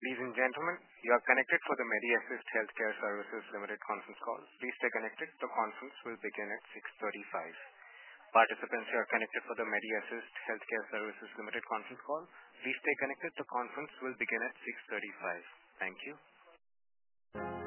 Ladies and gentlemen, you are connected for the Medi Assist Healthcare Services Limited conference call. Please stay connected. The conference will begin at 6:35. Participants, you are connected for the Medi Assist Healthcare Services conference call. Please stay connected. The conference will begin at 6:35. Thank you.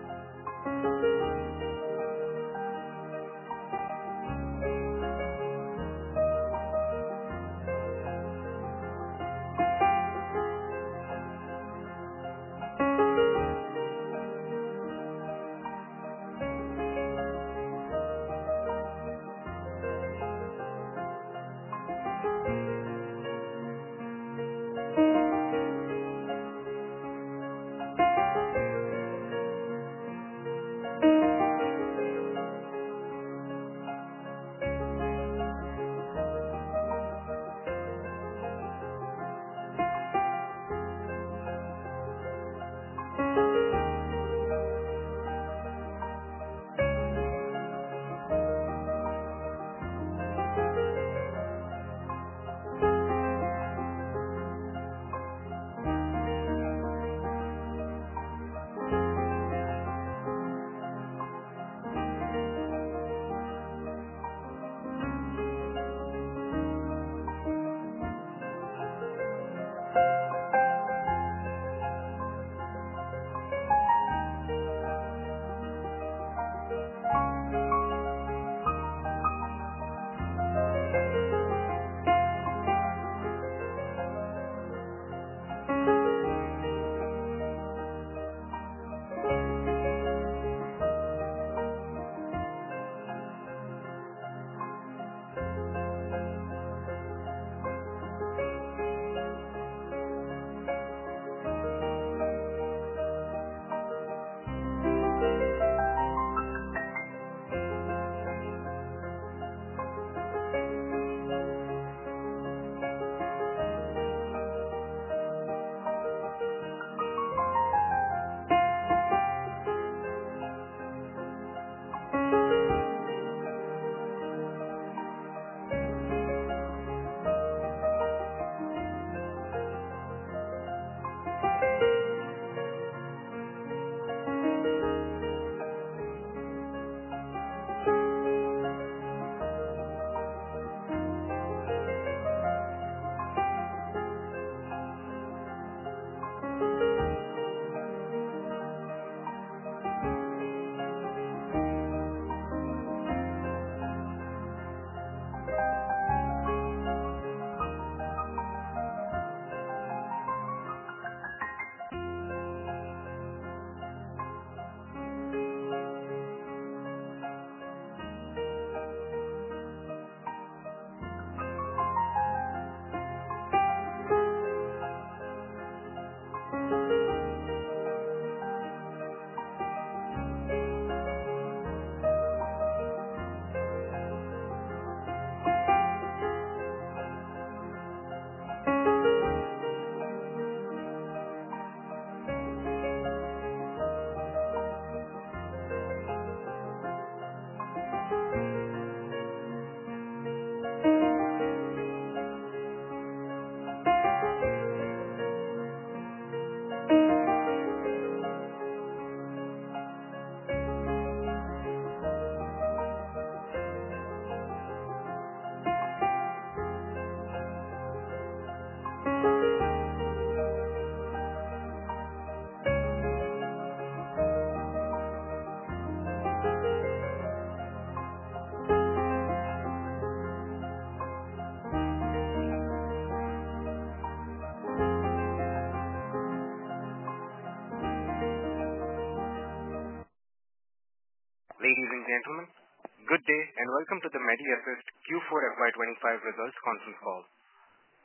Ladies and gentlemen, good day and welcome to the Medi Assist Q4 FY 2025 results conference call.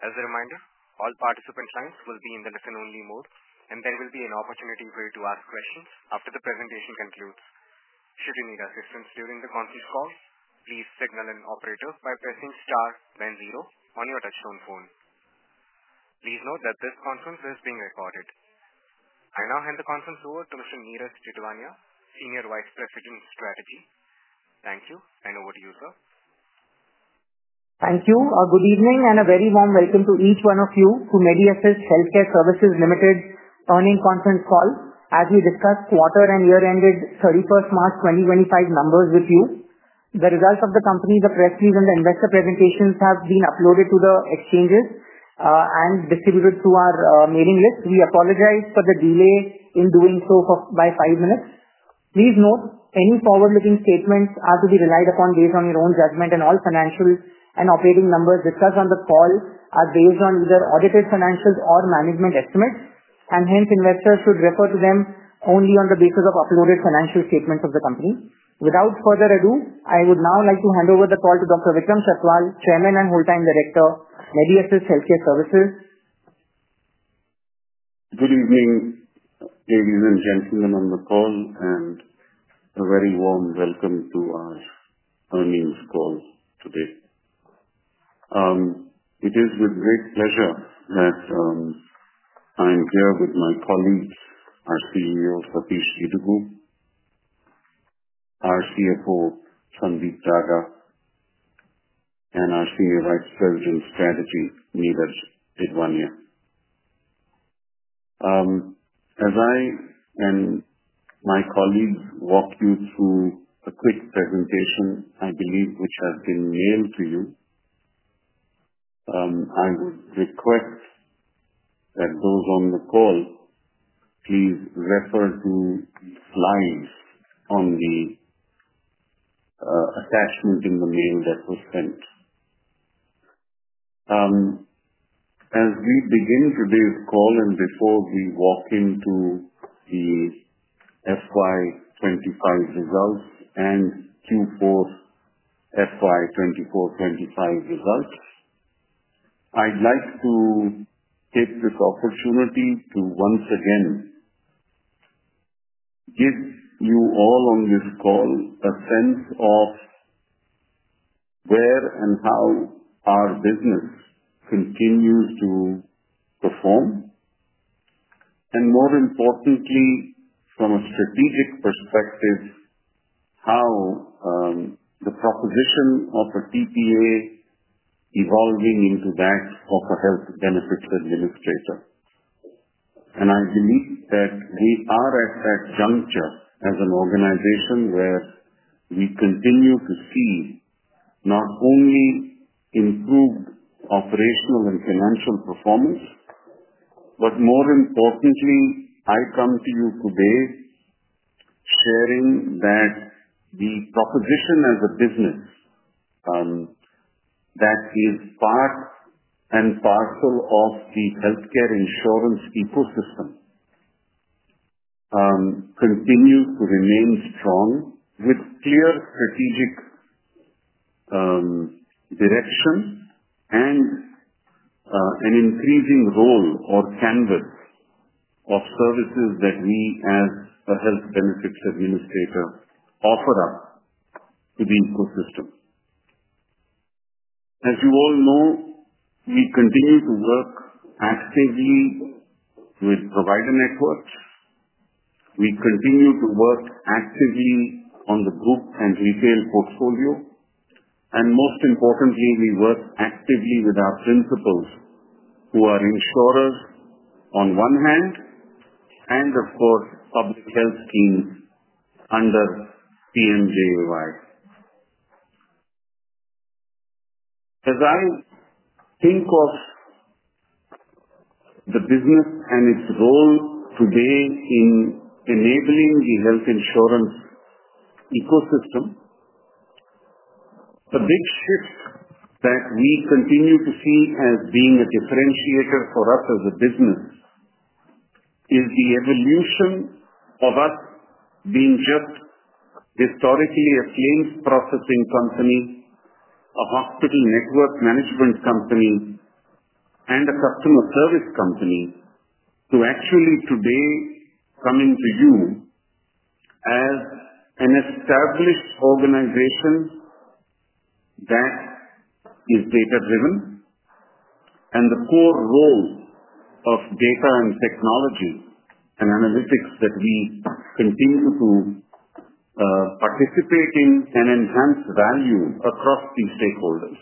As a reminder, all participants' lines will be in the listen-only mode, and there will be an opportunity for you to ask questions after the presentation concludes. Should you need assistance during the conference call, please signal an operator by pressing star then zero on your touch-tone phone. Please note that this conference is being recorded. I now hand the conference over to Mr. Niraj Didwania, Senior Vice President Strategy. Thank you, and over to you, sir. Thank you. Good evening and a very warm welcome to each one of you to Medi Assist Healthcare Services Limited earnings conference call. As we discussed quarter and year-ended 31st March 2025 numbers with you, the results of the company's press release and the investor presentations have been uploaded to the exchanges and distributed to our mailing list. We apologize for the delay in doing so by five minutes. Please note any forward-looking statements are to be relied upon based on your own judgment, and all financial and operating numbers discussed on the call are based on either audited financials or management estimates, and hence investors should refer to them only on the basis of uploaded financial statements of the company. Without further ado, I would now like to hand over the call to Dr. Vikram Chhatwal, Chairman and Whole Time Director, Medi Assist Healthcare Services. Good evening, ladies and gentlemen on the call, and a very warm welcome to our earnings call today. It is with great pleasure that I am here with my colleagues, our CEO, Satish Gidugu, our CFO, Sandeep Daga, and our Senior Vice President Strategy, Niraj Didwania. As I and my colleagues walk you through a quick presentation, I believe, which has been mailed to you, I would request that those on the call please refer to the slides on the attachment in the mail that was sent. As we begin today's call and before we walk into the FY 2025 results and Q4 FY 2024-2025 results, I'd like to take this opportunity to once again give you all on this call a sense of where and how our business continues to perform, and more importantly, from a strategic perspective, how the proposition of a TPA evolving into that of a health benefits administrator. I believe that we are at that juncture as an organization where we continue to see not only improved operational and financial performance, but more importantly, I come to you today sharing that the proposition as a business that is part and parcel of the healthcare insurance ecosystem continues to remain strong with clear strategic direction and an increasing role or canvas of services that we as a health benefits administrator offer up to the ecosystem. As you all know, we continue to work actively with provider networks. We continue to work actively on the group and retail portfolio. Most importantly, we work actively with our principals who are insurers on one hand and, of course, public health teams under PM-JAY. As I think of the business and its role today in enabling the health insurance ecosystem, the big shift that we continue to see as being a differentiator for us as a business is the evolution of us being just historically a claims processing company, a hospital network management company, and a customer service company to actually today coming to you as an established organization that is data-driven and the core role of data and technology and analytics that we continue to participate in and enhance value across these stakeholders.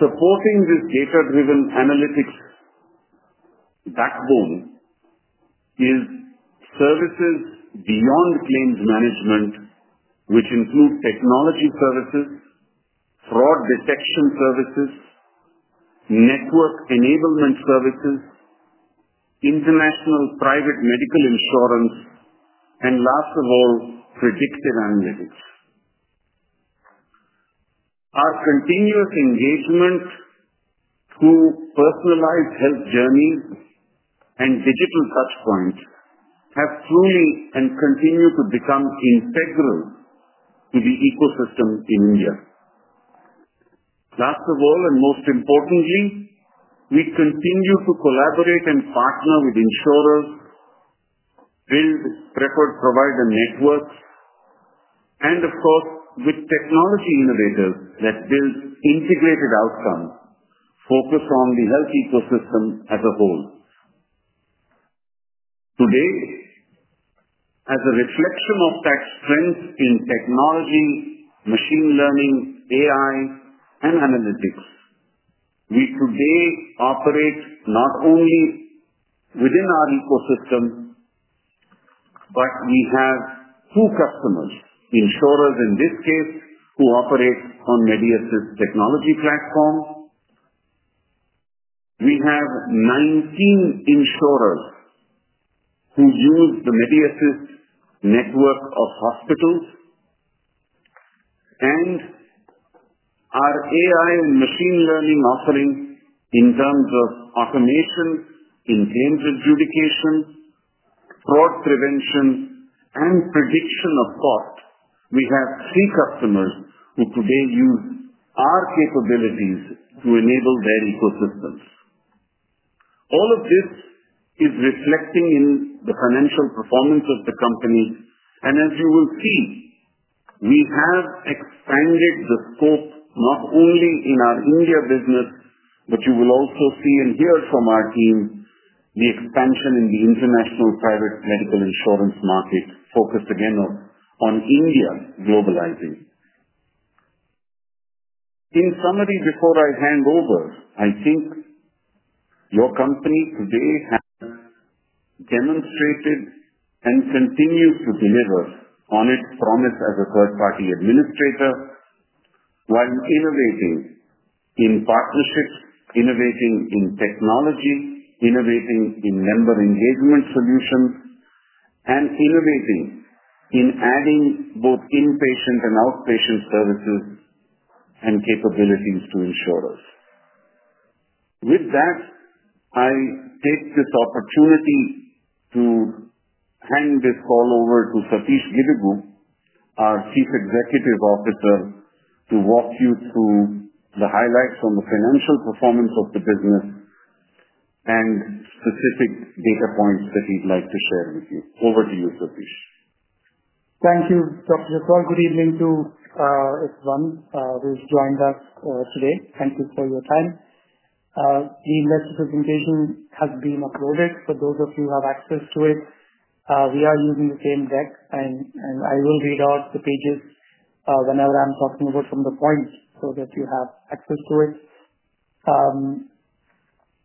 Supporting this data-driven analytics backbone is services beyond claims management, which include technology services, fraud detection services, network enablement services, international private medical insurance, and last of all, predictive analytics. Our continuous engagement through personalized health journeys and digital touchpoints have truly and continue to become integral to the ecosystem in India. Last of all, and most importantly, we continue to collaborate and partner with insurers, build record provider networks, and of course, with technology innovators that build integrated outcomes focused on the health ecosystem as a whole. Today, as a reflection of that strength in technology, machine learning, AI, and analytics, we today operate not only within our ecosystem, but we have two customers, insurers in this case, who operate on Medi Assist technology platform. We have 19 insurers who use the Medi Assist network of hospitals. Our AI and machine learning offering in terms of automation in claims adjudication, fraud prevention, and prediction of cost, we have three customers who today use our capabilities to enable their ecosystems. All of this is reflecting in the financial performance of the company. As you will see, we have expanded the scope not only in our India business, but you will also see and hear from our team the expansion in the international private medical insurance market focused again on India globalizing. In summary, before I hand over, I think your company today has demonstrated and continues to deliver on its promise as a third-party administrator while innovating in partnerships, innovating in technology, innovating in member engagement solutions, and innovating in adding both inpatient and outpatient services and capabilities to insurers. With that, I take this opportunity to hand this call over to Satish Gidugu, our Chief Executive Officer, to walk you through the highlights on the financial performance of the business and specific data points that he'd like to share with you. Over to you, Satish. Thank you, Dr. Chhatwal. Good evening to everyone who's joined us today. Thank you for your time. The investor presentation has been uploaded. For those of you who have access to it, we are using the same deck, and I will read out the pages whenever I'm talking about from the point so that you have access to it.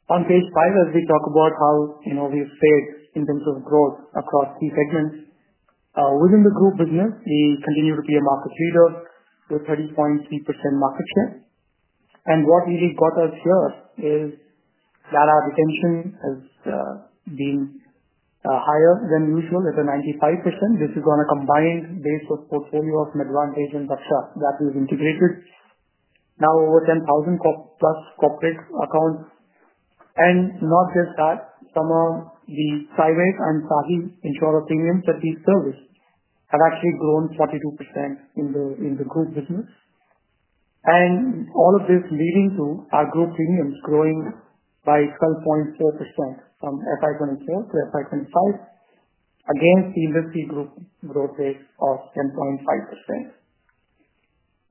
On page five, as we talk about how we've stayed in terms of growth across key segments, within the group business, we continue to be a market leader with 30.3% market share. What really got us here is that our retention has been higher than usual at 95%. This is on a combined base of portfolio of Medvantage and Raksha that we've integrated. Now over 10,000+ corporate accounts. Not just that, some of the private and SAHI insurer premiums that we service have actually grown 42% in the group business. All of this is leading to our group premiums growing by 12.4% from FY 2024 to FY 2025 against the industry group growth rate of 10.5%.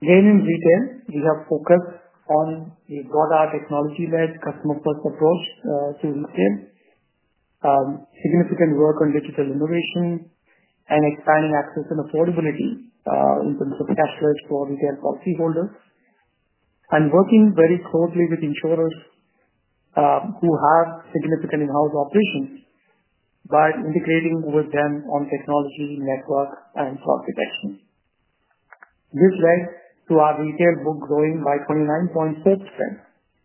In retail, we have focused on the broader technology-led customer-first approach to retail, significant work on digital innovation, and expanding access and affordability in terms of cash flows for retail policyholders. We are working very closely with insurers who have significant in-house operations by integrating with them on technology, network, and fraud detection. This led to our retail book growing by 29.4%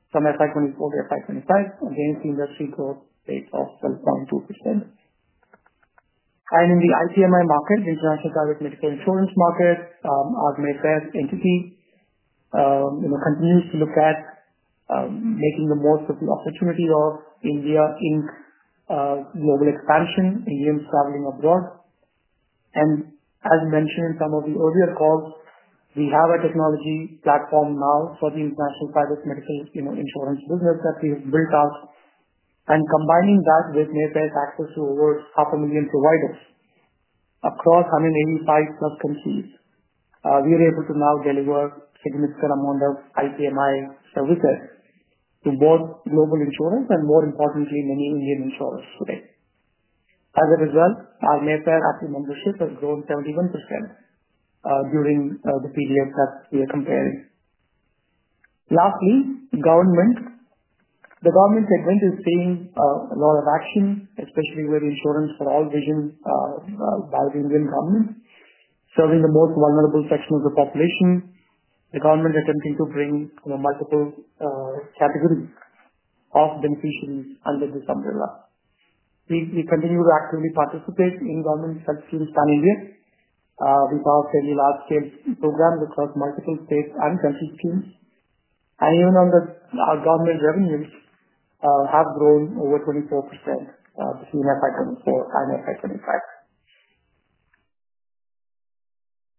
from FY 2024 to FY 2025 against the industry growth rate of 12.2%. In the IPMI market, the international private medical insurance market, our Medi Assist entity continues to look at making the most of the opportunity of India Inc. Global expansion, Indians traveling abroad. As mentioned in some of the earlier calls, we have a technology platform now for the international private medical insurance business that we have built out. Combining that with MedPay's access to over 500,000 providers across 185+ countries, we are able to now deliver a significant amount of IPMI services to both global insurers and, more importantly, many Indian insurers today. As a result, our MedPay active membership has grown 71% during the period that we are comparing. Lastly, government. The government segment is seeing a lot of action, especially with insurance for all vision by the Indian government, serving the most vulnerable section of the population. The government is attempting to bring multiple categories of beneficiaries under this umbrella. We continue to actively participate in government health schemes pan-India. We've powered fairly large-scale programs across multiple states and country schemes. Even our government revenues have grown over 24% between FY 2024 and FY 2025.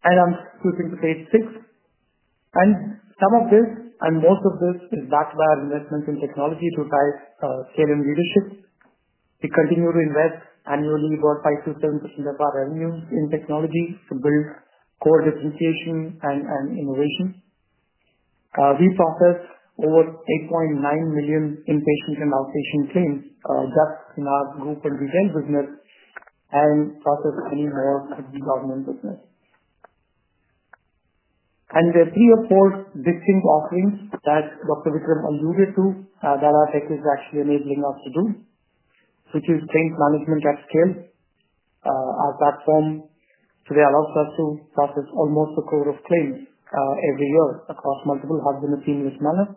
I'm flipping to page six. Some of this and most of this is backed by our investments in technology to drive scale and leadership. We continue to invest annually about 5%-7% of our revenues in technology to build core differentiation and innovation. We process over 8.9 million in-patient and out-patient claims just in our group and retail business and process many more in government business. There are three or four distinct offerings that Dr. Vikram alluded to that our tech is actually enabling us to do, which is claims management at scale. Our platform today allows us to process almost a quarter of claims every year across multiple health and a senior planner.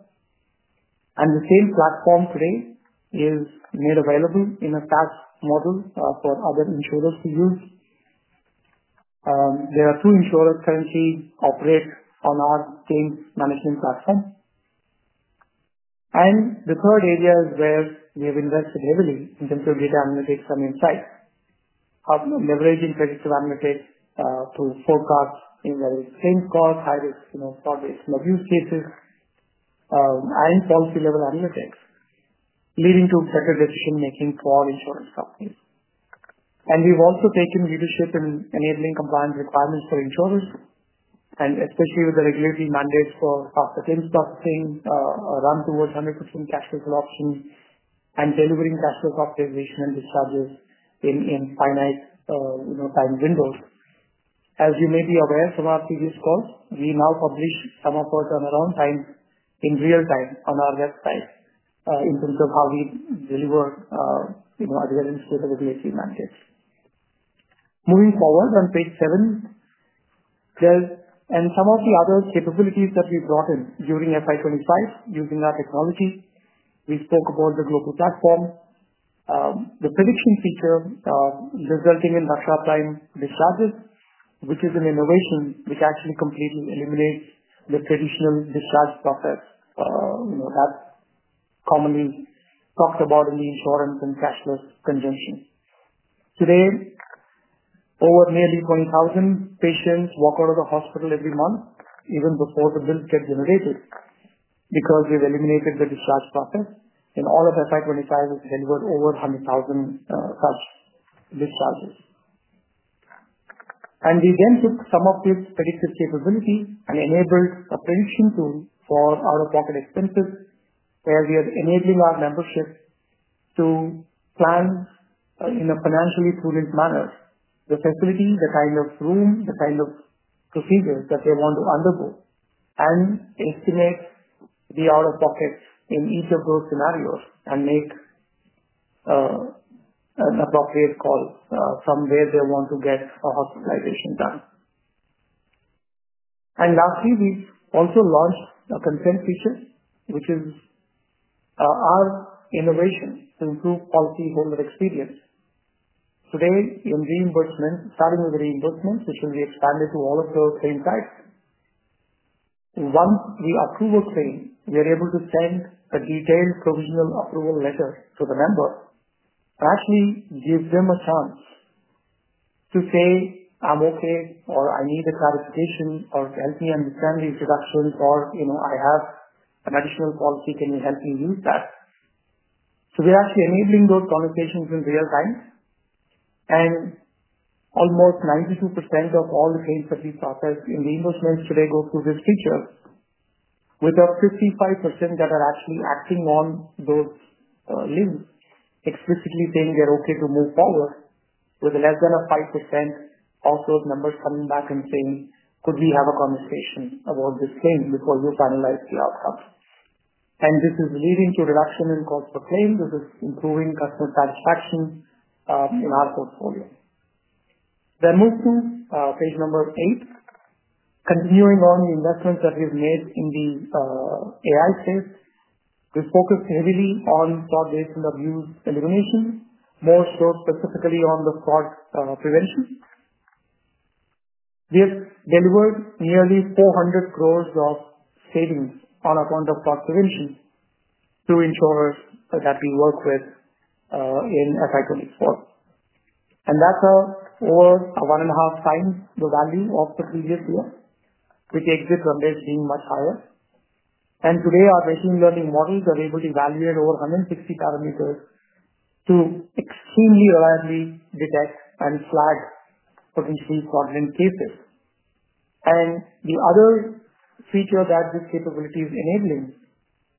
The same platform today is made available in a SaaS model for other insurers to use. There are two insurers currently operating on our claims management platform. The third area is where we have invested heavily in terms of data analytics and insights, leveraging predictive analytics to forecast various claims costs, high-risk fraud-based abuse cases, and policy-level analytics, leading to better decision-making for insurance companies. We have also taken leadership in enabling compliance requirements for insurers, especially with the regulatory mandates for faster claims processing, a run towards 100% cashless adoption, and delivering cashless optimization and discharges in finite time windows. As you may be aware from our previous calls, we now publish some of our turnaround time in real time on our website in terms of how we deliver adherence to the regulatory mandates. Moving forward on page seven, there's some of the other capabilities that we brought in during FY 2025 using our technology. We spoke about the global platform, the prediction feature resulting in Daksha Prime discharges, which is an innovation which actually completely eliminates the traditional discharge process that's commonly talked about in the insurance and cash flow conjunction. Today, over nearly 20,000 patients walk out of the hospital every month, even before the bills get generated, because we've eliminated the discharge process. In all of FY 2025, we've delivered over 100,000 such discharges. We then took some of this predictive capability and enabled a prediction tool for out-of-pocket expenses, where we are enabling our membership to plan in a financially prudent manner the facility, the kind of room, the kind of procedures that they want to undergo, and estimate the out-of-pocket in each of those scenarios and make an appropriate call from where they want to get a hospitalization done. Lastly, we've also launched a consent feature, which is our innovation to improve policyholder experience. Today, in reimbursement, starting with the reimbursement, which will be expanded to all of those same sites, once we approve a claim, we are able to send a detailed provisional approval letter to the member and actually give them a chance to say, "I'm okay," or, "I need a clarification," or, "Help me understand the introductions," or, "I have an additional policy. Can you help me use that?" We're actually enabling those conversations in real time. Almost 92% of all the claims that we process in reimbursements today go through this feature, with up to 55% that are actually acting on those links, explicitly saying they're okay to move forward, with less than 5% of those members coming back and saying, "Could we have a conversation about this claim before you finalize the outcome?" This is leading to a reduction in cost per claim. This is improving customer satisfaction in our portfolio. Moving to page number eight, continuing on the investments that we've made in the AI space, we've focused heavily on fraud-based and abuse elimination, more so specifically on the fraud prevention. We have delivered nearly 400 crore of savings on account of fraud prevention through insurers that we work with in FY 2024. That is over one and a half times the value of the previous year, with the exit rendezvous being much higher. Today, our machine learning models are able to evaluate over 160 parameters to extremely reliably detect and flag potentially fraudulent cases. The other feature that this capability is enabling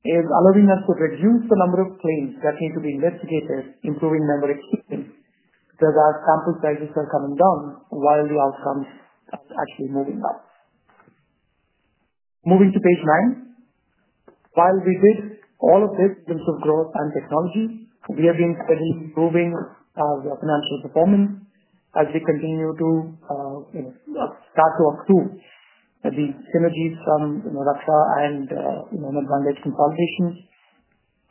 is allowing us to reduce the number of claims that need to be investigated, improving member experience because our sample sizes are coming down while the outcomes are actually moving up. Moving to page nine, while we did all of this in terms of growth and technology, we have been steadily improving our financial performance as we continue to start to accrue the synergies from Raksha and Medvantage consolidations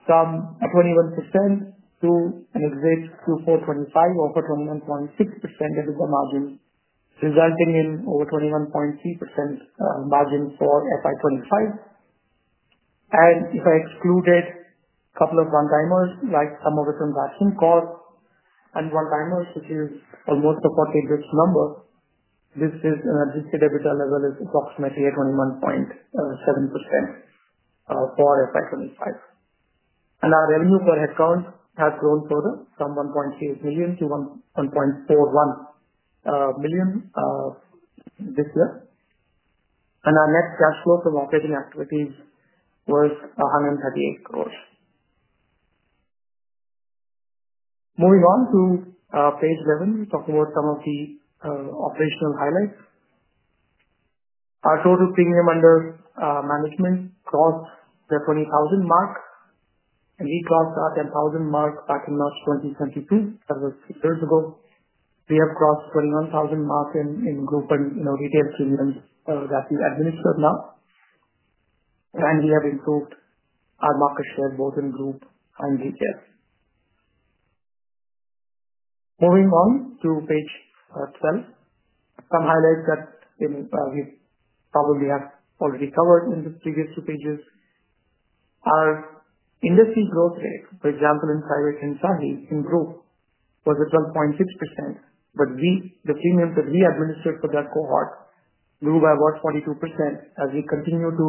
from 21% to an exit Q4 2025 of over 21.6%, and with the margin resulting in over 21.3% margin for FY 2025. If I excluded a couple of one-timers, like some of the transaction costs and one-timers, which is almost a quadruplicate number, this is an adjusted EBITDA level of approximately 21.7% for FY 2025. Our revenue per head count has grown further from 1.38 million to 1.41 million this year. Our net cash flow from operating activities was INR 138 crore. Moving on to page 11, we talk about some of the operational highlights. Our total premium under management crossed the 20,000 crore mark, and we crossed our 10,000 crore mark back in March 2022. That was three years ago. We have crossed the 21,000 crore mark in group and retail premiums that we administer now. We have improved our market share both in group and retail. Moving on to page 12, some highlights that we probably have already covered in the previous two pages. Our industry growth-rate, for example, in private and SAHI in group was 12.6%, but the premiums that we administered for that cohort grew by about 42% as we continue to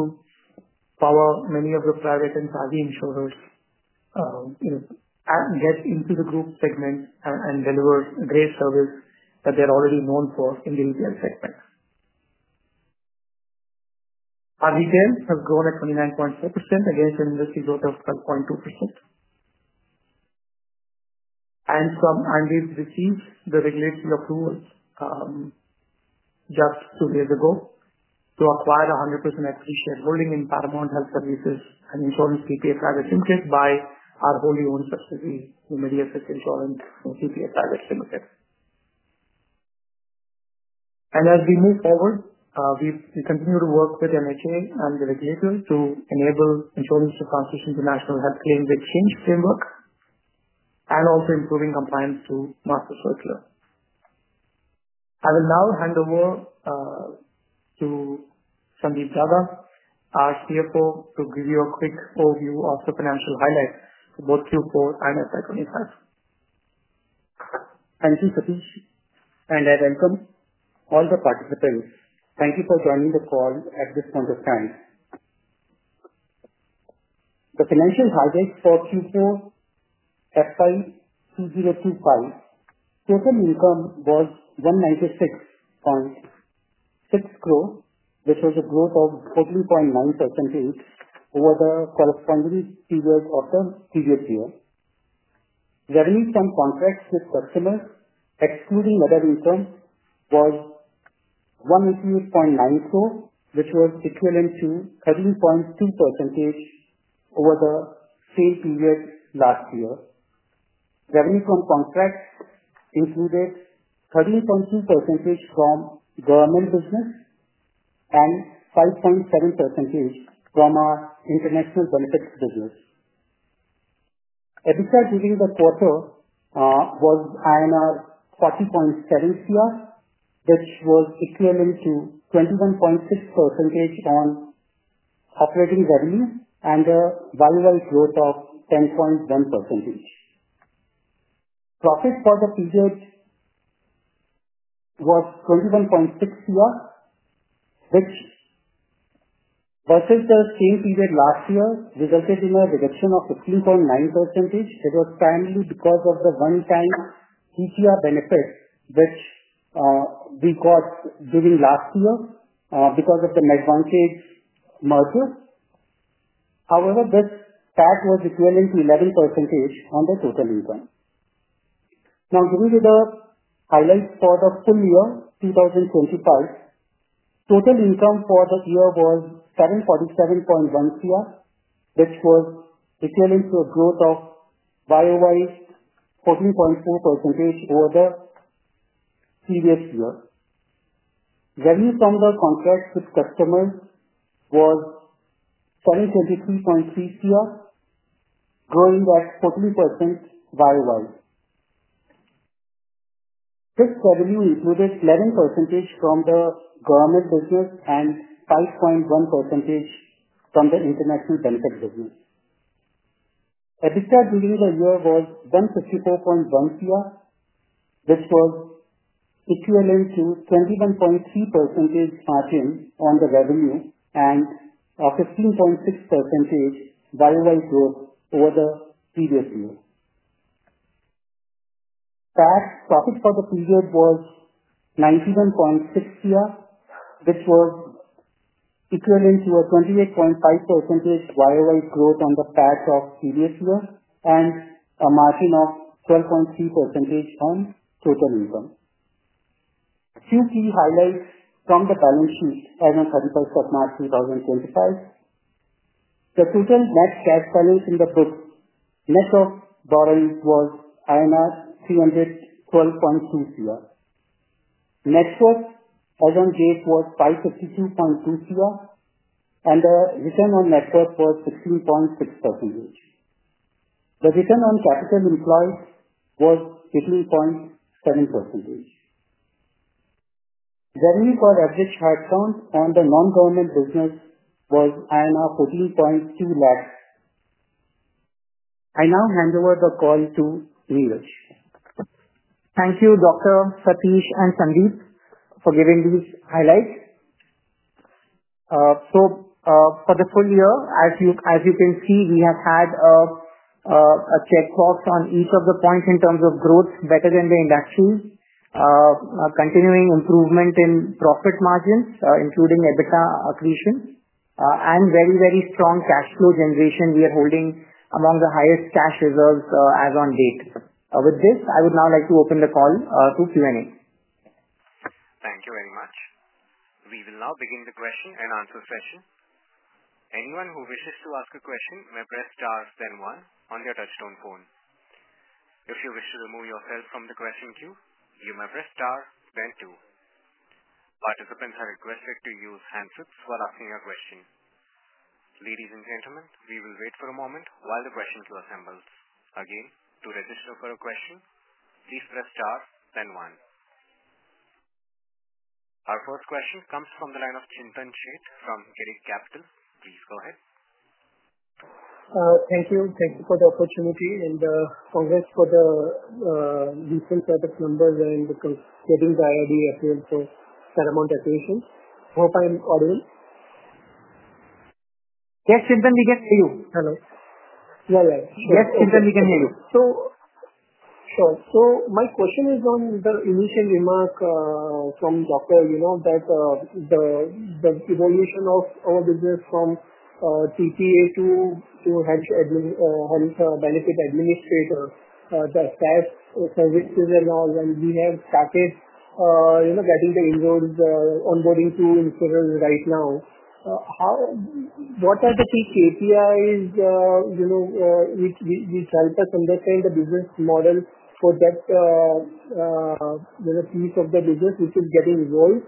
power many of the private and SaaS insurers and get into the group segment and deliver great service that they're already known for in the retail segment. Our retail has grown at 29.4% against an industry growth of 12.2%. We have received the regulatory approval just two days ago to acquire a 100% equity shareholding in Paramount Health Services and Insurance TPA Private Limited by our wholly owned subsidiary, MedFix Insurance TPA Private Limited. As we move forward, we continue to work with MHA and the regulator to enable insurance to transition to National Health Claims Exchange Framework and also improving compliance to Master Circular. I will now hand over to Sandeep Daga, our CFO, to give you a quick overview of the financial highlights for both Q4 and FY 2025. Thank you, Satish, and I welcome all the participants. Thank you for joining the call at this point of time. The financial highlights for Q4 FY 2025: total income was 196.6 crore, which was a growth of 14.9% over the corresponding period of the previous year. Revenue from contracts with customers, excluding other income, was 188.9 crore rupees, which was equivalent to 13.2% over the same period last year. Revenue from contracts included 13.2% from government business and 5.7% from our international benefits business. EBITDA during the quarter was INR 40.7 crore, which was equivalent to 21.6% on operating revenue and a variable growth of 10.1%. Profit for the period was INR 21.6 crore, which, versus the same period last year, resulted in a reduction of 15.9%. It was primarily because of the one-time ETR benefit which we got during last year because of the Medvantage merger. However, this tag was equivalent to 11% on the total income. Now, giving you the highlights for the full year, 2025, total income for the year was 747.1 crore, which was equivalent to a growth of year-over-year 14.4% over the previous year. Revenue from the contracts with customers was INR 723.3 crore, growing at 14% year-over-year. This revenue included 11% from the government business and 5.1% from the international benefit business. EBITDA during the year was 154.1 crore, which was equivalent to 21.3% margin on the revenue and 15.6% year-over-year growth over the previous year. PAT profit for the period was 91.6 crore, which was equivalent to a 28.5% year-over-year growth on the PAT of previous year and a margin of 12.3% on total income. Two key highlights from the balance sheet as of 31st of March 2025: the total net cash balance in the book net of borrowing was INR 312.2 crore. Net worth as of date was 552.2 crore, and the return on net worth was 16.6%. The return on capital employed was 18.7%. Revenue for average hard count on the non-government business was 14.2 lakh. I now hand over the call to Niraj. Thank you, Dr. Satish and Sandeep, for giving these highlights. For the full year, as you can see, we have had a checkbox on each of the points in terms of growth, better than the industry, continuing improvement in profit margins, including EBITDA accretion, and very, very strong cash flow generation. We are holding among the highest cash reserves as of date. With this, I would now like to open the call to Q&A. Thank you very much. We will now begin the question and answer session. Anyone who wishes to ask a question may press star, then one on their touchstone phone. If you wish to remove yourself from the question queue, you may press star, then two. Participants are requested to use handsets while asking a question. Ladies and gentlemen, we will wait for a moment while the question queue assembles. Again, to register for a question, please press star, then one. Our first question comes from the line of Chintan Sheth from Girik Capital. Please go ahead. Thank you. Thank you for the opportunity and congrats for the recent product numbers and getting the IRDA approval for Paramount Acquisition. Hope I'm audible. Yes, Chintan, we can hear you. Hello. Yeah, yeah. Yes, Chintan, we can hear you. Sure. So my question is on the initial remark from Dr. that the evolution of our business from TPA to health benefit administrator, the SaaS services and all, and we have started getting the inroads onboarding to insurers right now. What are the key KPIs which help us understand the business model for that piece of the business which is getting rolled?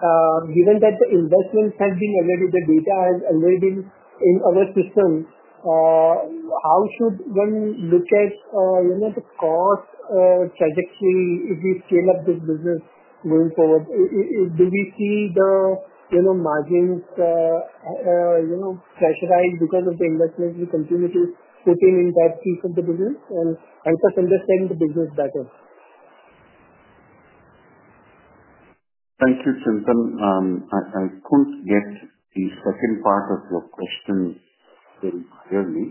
Given that the investments have been already, the data has already been in other systems, how should one look at the cost trajectory if we scale up this business going forward? Do we see the margins pressurized because of the investment we continue to put in in that piece of the business and help us understand the business better? Thank you, Chintan. I could not get the second part of your question very clearly,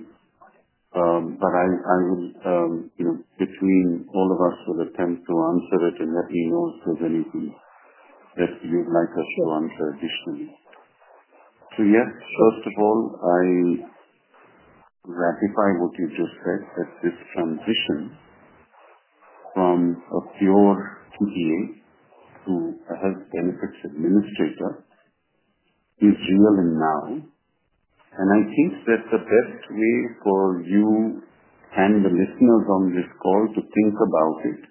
but I will, between all of us, attempt to answer it and let me know if there is anything that you would like us to answer additionally. Yes, first of all, I would ratify what you just said that this transition from a pure GA to a health benefits administrator is real and now. I think that the best way for you and the listeners on this call to think about it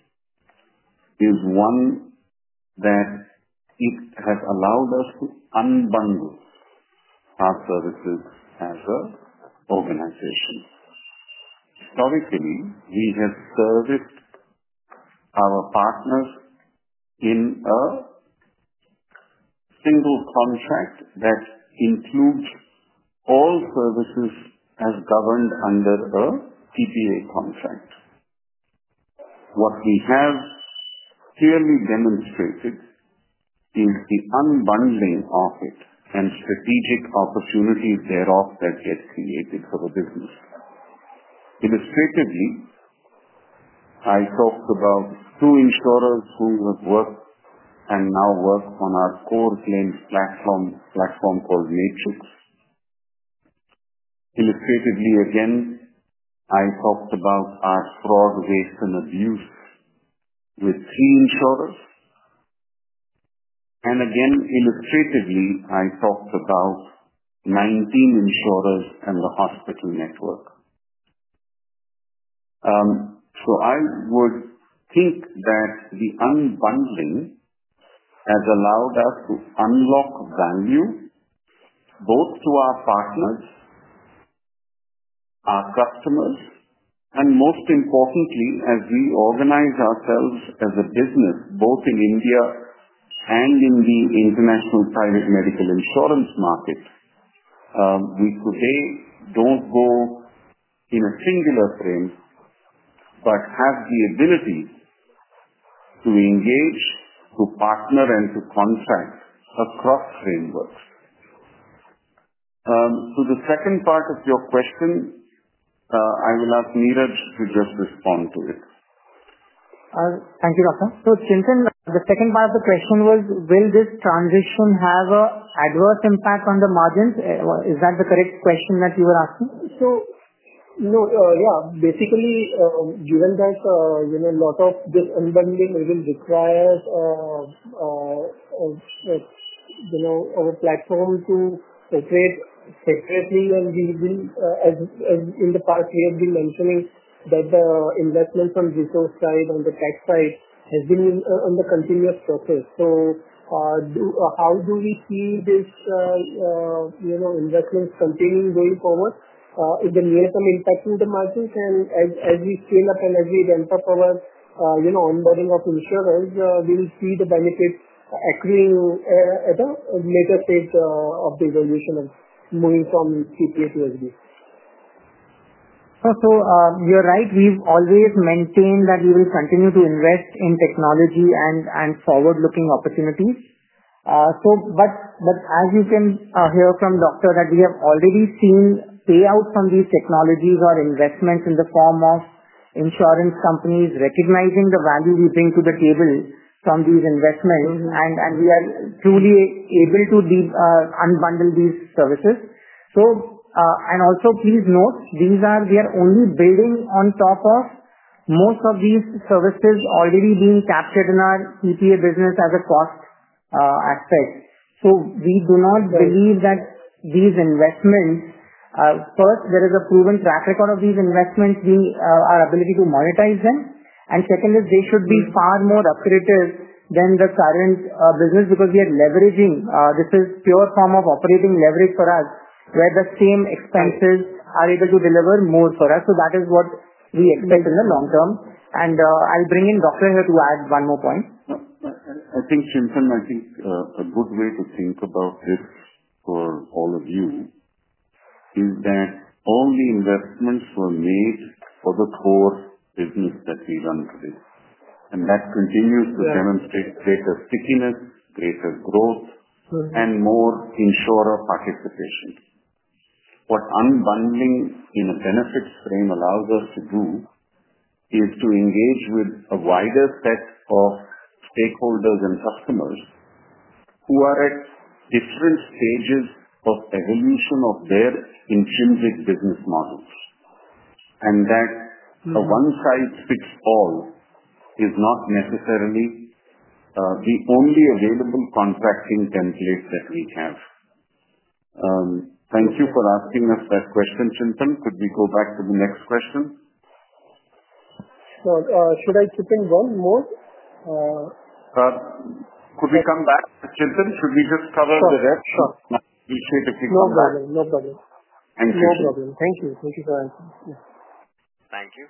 is one that it has allowed us to unbundle our services as an organization. Historically, we have serviced our partners in a single contract that includes all services as governed under a TPA contract. What we have clearly demonstrated is the unbundling of it and strategic opportunities thereof that get created for the business. Illustratively, I talked about two insurers who have worked and now work on our core claims platform called Matrix. Illustratively, again, I talked about our fraud, waste, and abuse with three insurers. Again, illustratively, I talked about 19 insurers and the hospital network. I would think that the unbundling has allowed us to unlock value both to our partners, our customers, and most importantly, as we organize ourselves as a business both in India and in the international private medical insurance market, we today do not go in a singular frame but have the ability to engage, to partner, and to contract across frameworks. To the second part of your question, I will ask Niraj to just respond to it. Thank you, Dr. So Chintan, the second part of the question was, will this transition have an adverse impact on the margins? Is that the correct question that you were asking? Yeah, basically, given that a lot of this unbundling even requires our platform to operate separately, and as in the past, we have been mentioning that the investment from the resource side on the tech side has been a continuous process. How do we see these investments continuing going forward? Is there any impact in the margins? As we scale up and as we ramp up our onboarding of insurers, we will see the benefits accruing at a later stage of the evolution of moving from TPA to SB? You're right. We've always maintained that we will continue to invest in technology and forward-looking opportunities. As you can hear from Dr. We have already seen payouts from these technologies or investments in the form of insurance companies recognizing the value we bring to the table from these investments, and we are truly able to unbundle these services. Also, please note, we are only building on top of most of these services already being captured in our TPA business as a cost aspect. We do not believe that these investments, first, there is a proven track record of these investments being our ability to monetize them. Second is, they should be far more operative than the current business because we are leveraging. This is a pure form of operating leverage for us where the same expenses are able to deliver more for us. That is what we expect in the long term. I'll bring in Dr. here to add one more point. I think, Chintan, a good way to think about this for all of you is that all the investments were made for the core business that we run today. That continues to demonstrate greater stickiness, greater growth, and more insurer participation. What unbundling in a benefits frame allows us to do is to engage with a wider set of stakeholders and customers who are at different stages of evolution of their intrinsic business models. A one-size-fits-all is not necessarily the only available contracting template that we have. Thank you for asking us that question, Chintan. Could we go back to the next question? Should I chip in one more? Could we come back, Chintan? Should we just cover the rest? Sure. I appreciate it if you come back. No problem. Thank you. Thank you for answering. Thank you.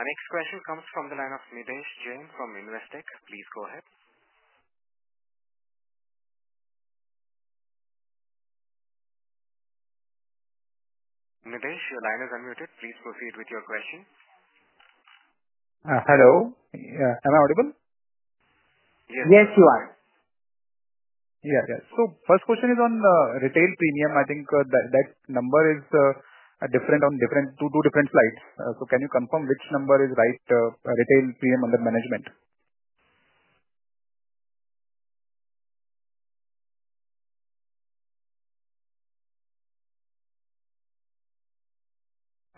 Our next question comes from the line of Nidhesh Jain from Investec. Please go ahead. Nitesh, your line is unmuted. Please proceed with your question. Hello. Am I audible? Yes. Yes, you are. Yeah, yeah. First question is on retail premium. I think that number is different on two different slides. Can you confirm which number is right, retail premium under management?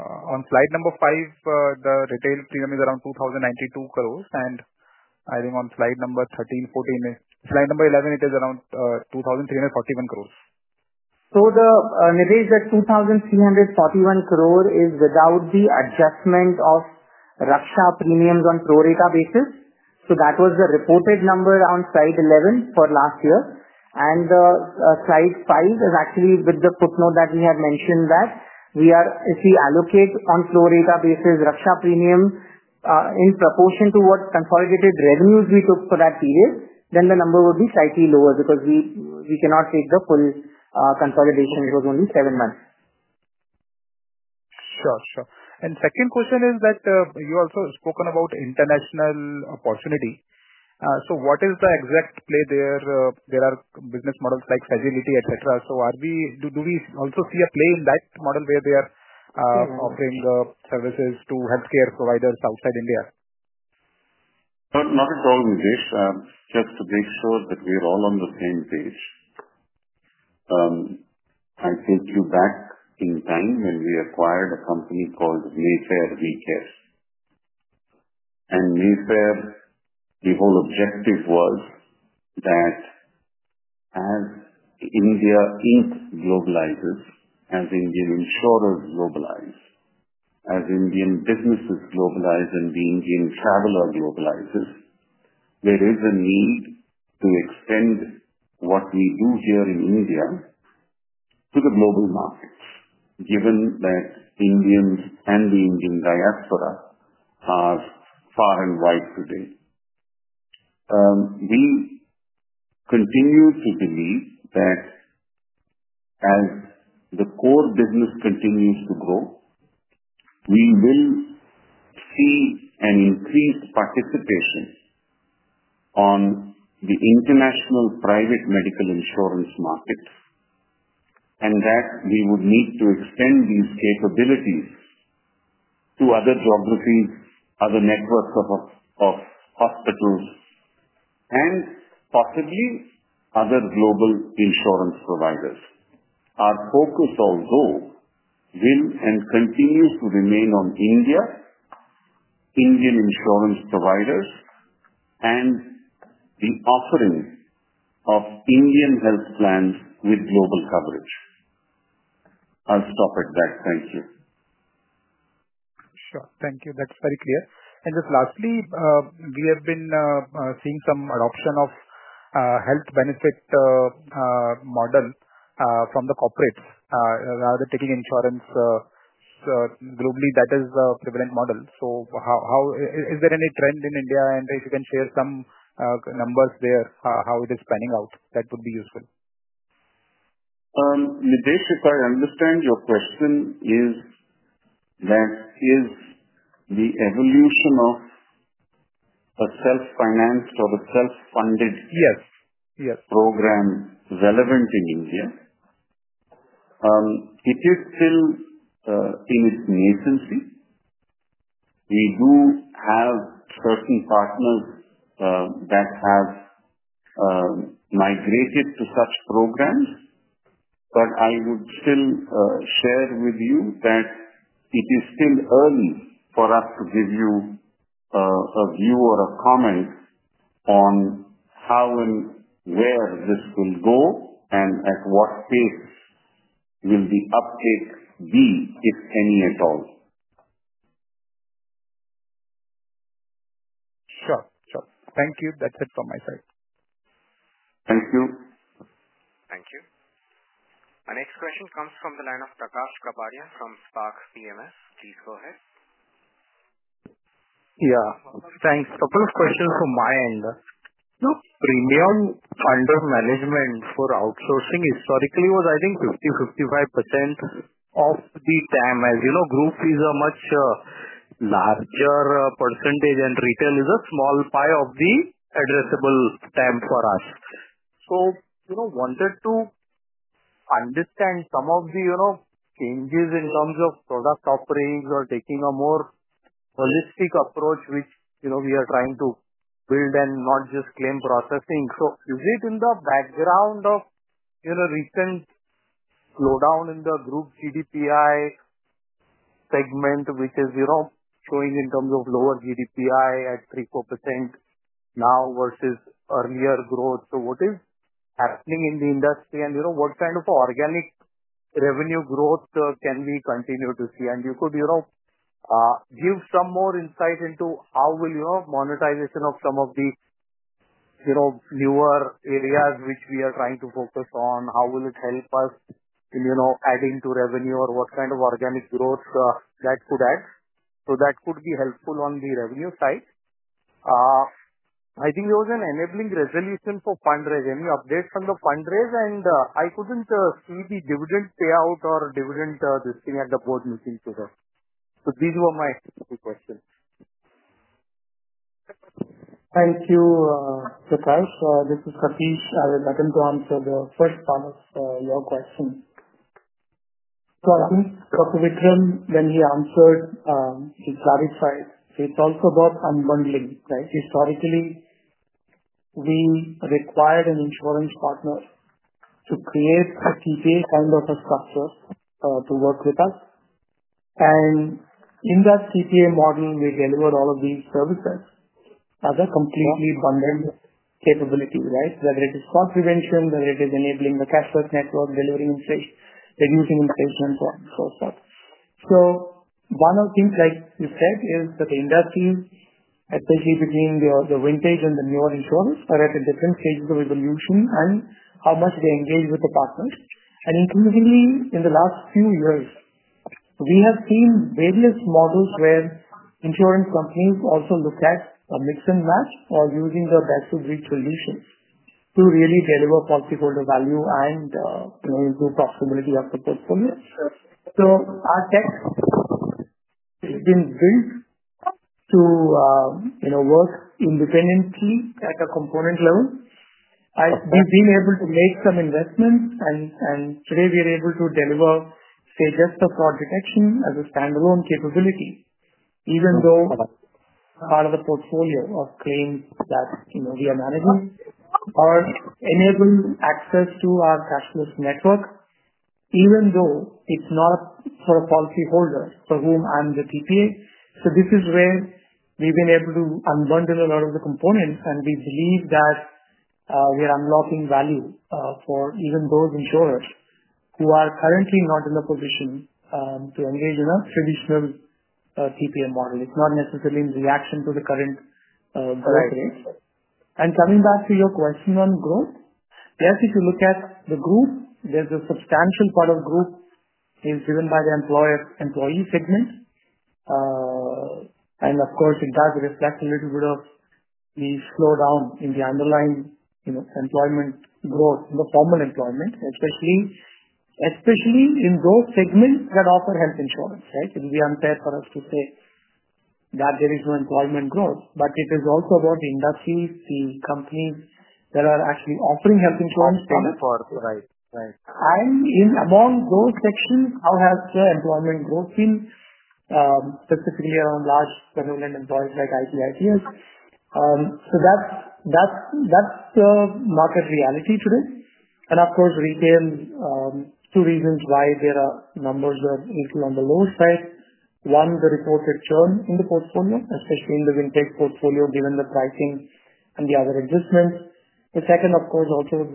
On slide number 5, the retail premium is around 2,092 crore. I think on slide number 13, 14, slide number 11, it is around 2,341 crore. Nidhesh, that 2,341 crore is without the adjustment of Raksha premiums on prorata basis. That was the reported number on slide 11 for last year. Slide 5 is actually with the footnote that we had mentioned that if we allocate on a prorata basis Raksha premium in proportion to what consolidated revenues we took for that period, then the number would be slightly lower because we cannot take the full consolidation for only seven months. Sure, sure. Second question is that you also spoke about international opportunity. What is the exact play there? There are business models like fragility, etc. Do we also see a play in that model where they are offering services to healthcare providers outside India? Not at all, Nidhesh. Just to make sure that we're all on the same page, I take you back in time when we acquired a company called Mayfair We Care. Mayfair, the whole objective was that as India globalizes, as Indian insurers globalize, as Indian businesses globalize, and the Indian traveler globalizes, there is a need to extend what we do here in India to the global markets, given that Indians and the Indian diaspora are far and wide today. We continue to believe that as the core business continues to grow, we will see an increased participation on the international private medical insurance market, and that we would need to extend these capabilities to other geographies, other networks of hospitals, and possibly other global insurance providers. Our focus, although, will and continues to remain on India, Indian insurance providers, and the offering of Indian health plans with global coverage. I'll stop at that. Thank you. Sure. Thank you. That's very clear. Just lastly, we have been seeing some adoption of health benefit model from the corporates. They're taking insurance globally. That is the prevalent model. Is there any trend in India, and if you can share some numbers there, how it is panning out? That would be useful. Nidhesh, if I understand your question, is that the evolution of a self-financed or a self-funded program relevant in India? It is still in its nascency. We do have certain partners that have migrated to such programs, but I would still share with you that it is still early for us to give you a view or a comment on how and where this will go and at what pace will the uptake be, if any at all. Sure, sure. Thank you. That's it from my side. Thank you. Thank you. Our next question comes from the line of Prakash Gadavia from Spark PMS. Please go ahead. Yeah. Thanks. A couple of questions from my end. Premium under management for outsourcing historically was, I think, 50%-55% of the TAM. As you know, group is a much larger percentage, and retail is a small pie of the addressable TAM for us. Wanted to understand some of the changes in terms of product offerings or taking a more holistic approach, which we are trying to build and not just claims processing. Is it in the background of recent slowdown in the group GDPI segment, which is showing in terms of lower GDPI at 3%-4% now versus earlier growth? What is happening in the industry, and what kind of organic revenue growth can we continue to see? Could you give some more insight into how will monetization of some of the newer areas, which we are trying to focus on, how will it help us in adding to revenue, or what kind of organic growth that could add? That could be helpful on the revenue side. I think it was an enabling resolution for fundraise. Any updates on the fundraise? I could not see the dividend payout or dividend this thing at the board meeting today. These were my questions. Thank you, Prakash. This is Satish. I will let him answer the first part of your question. I think Dr. Vikram, when he answered, he clarified. It is also about unbundling, right? Historically, we required an insurance partner to create a TPA kind of a structure to work with us. In that TPA model, we delivered all of these services as a completely bundled capability, right? Whether it is fraud prevention, whether it is enabling the cashless network, delivering inflation, reducing inflation, and so on and so forth. One of the things, like you said, is that the industry, especially between the vintage and the newer insurers, are at a different stage of evolution and how much they engage with the partners. Increasingly, in the last few years, we have seen various models where insurance companies also look at a mix and match or using the best-of-breed solutions to really deliver policyholder value and improve profitability of the portfolio. Our tech has been built to work independently at a component level. We've been able to make some investments, and today we are able to deliver, say, just the fraud detection as a standalone capability, even though part of the portfolio of claims that we are managing or enabling access to our cashless network, even though it's not for a policyholder for whom I'm the TPA. This is where we've been able to unbundle a lot of the components, and we believe that we are unlocking value for even those insurers who are currently not in a position to engage in a traditional TPA model. It's not necessarily in reaction to the current growth rate. Coming back to your question on growth, yes, if you look at the group, there's a substantial part of group is driven by the employee segment. Of course, it does reflect a little bit of the slowdown in the underlying employment growth in the formal employment, especially in those segments that offer health insurance, right? It would be unfair for us to say that there is no employment growth, but it is also about the industries, the companies that are actually offering health insurance. Right, right. Among those sections, how has the employment growth been? Specifically around large predominant employees like ITITs. That is the market reality today. Of course, retail, two reasons why there are numbers that are on the lower side. One, the reported churn in the portfolio, especially in the vintage portfolio, given the pricing and the other adjustments. The second, of course, also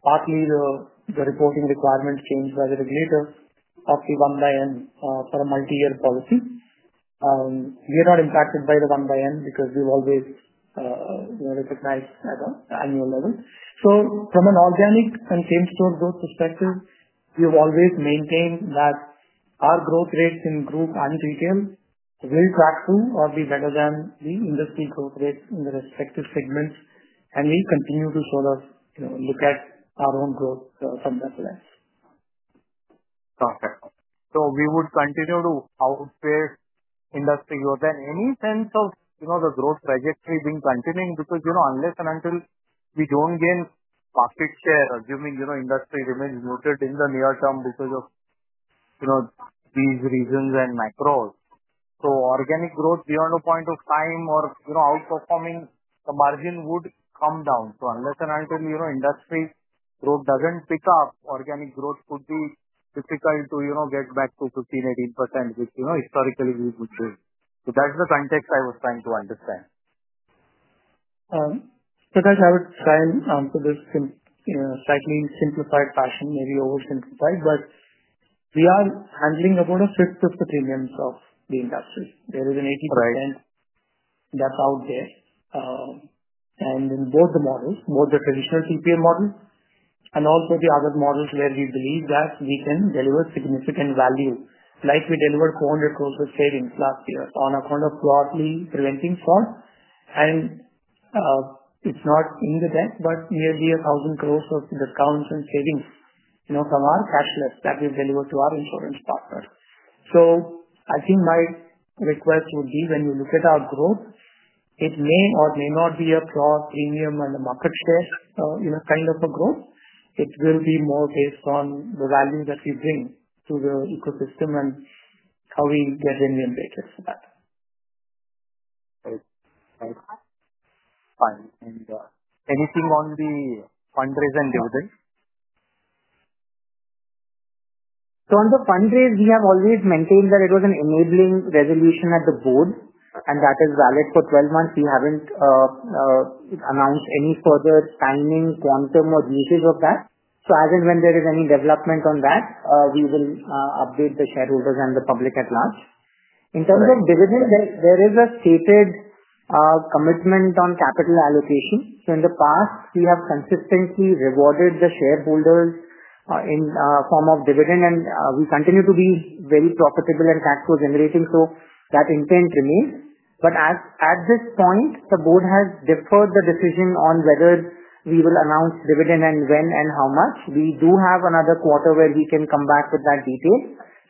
partly the reporting requirement changed by the regulator of the one-by-one for a multi-year policy. We are not impacted by the one-by-one because we've always recognized at an annual level. From an organic and claim store growth perspective, we've always maintained that our growth rates in group and retail will track through or be better than the industry growth rates in the respective segments. We continue to sort of look at our own growth from that lens. Perfect. We would continue to outpace industry growth. Any sense of the growth trajectory being continuing? Unless and until we don't gain market share, assuming industry remains muted in the near term because of these reasons and macros, organic growth beyond a point of time or outperforming the margin would come down. Unless and until industry growth doesn't pick up, organic growth could be difficult to get back to 15-18%, which historically we would gain. That's the context I was trying to understand. Prakash, I would try and answer this in a slightly simplified fashion, maybe oversimplified, but we are handling about a fifth of the premiums of the industry. There is an 80% that's out there. In both the models, both the traditional TPA model and also the other models where we believe that we can deliver significant value, like we delivered 400 crore of savings last year on account of broadly preventing fraud. It's not in the deck, but nearly 1,000 crore of discounts and savings from our cashless that we've delivered to our insurance partners. I think my request would be, when you look at our growth, it may or may not be a fraud premium and a market share kind of a growth. It will be more based on the value that we bring to the ecosystem and how we get remunerated for that. Fine. Anything on the fundraise and dividend? On the fundraise, we have always maintained that it was an enabling resolution at the board, and that is valid for 12 months. We have not announced any further timing, quantum, or usage of that. As and when there is any development on that, we will update the shareholders and the public at large. In terms of dividend, there is a stated commitment on capital allocation. In the past, we have consistently rewarded the shareholders in the form of dividend, and we continue to be very profitable and cash flow generating, so that intent remains. At this point, the board has deferred the decision on whether we will announce dividend and when and how much. We do have another quarter where we can come back with that detail.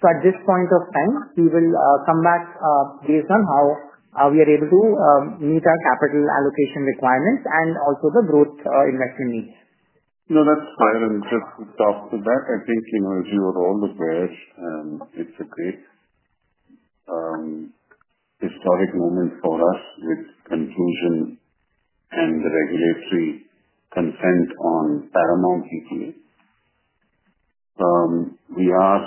At this point of time, we will come back based on how we are able to meet our capital allocation requirements and also the growth investment needs. No, that's fine. Just to stop with that, I think as you are all aware, it's a great historic moment for us with conclusion and regulatory consent on Paramount TPA. We are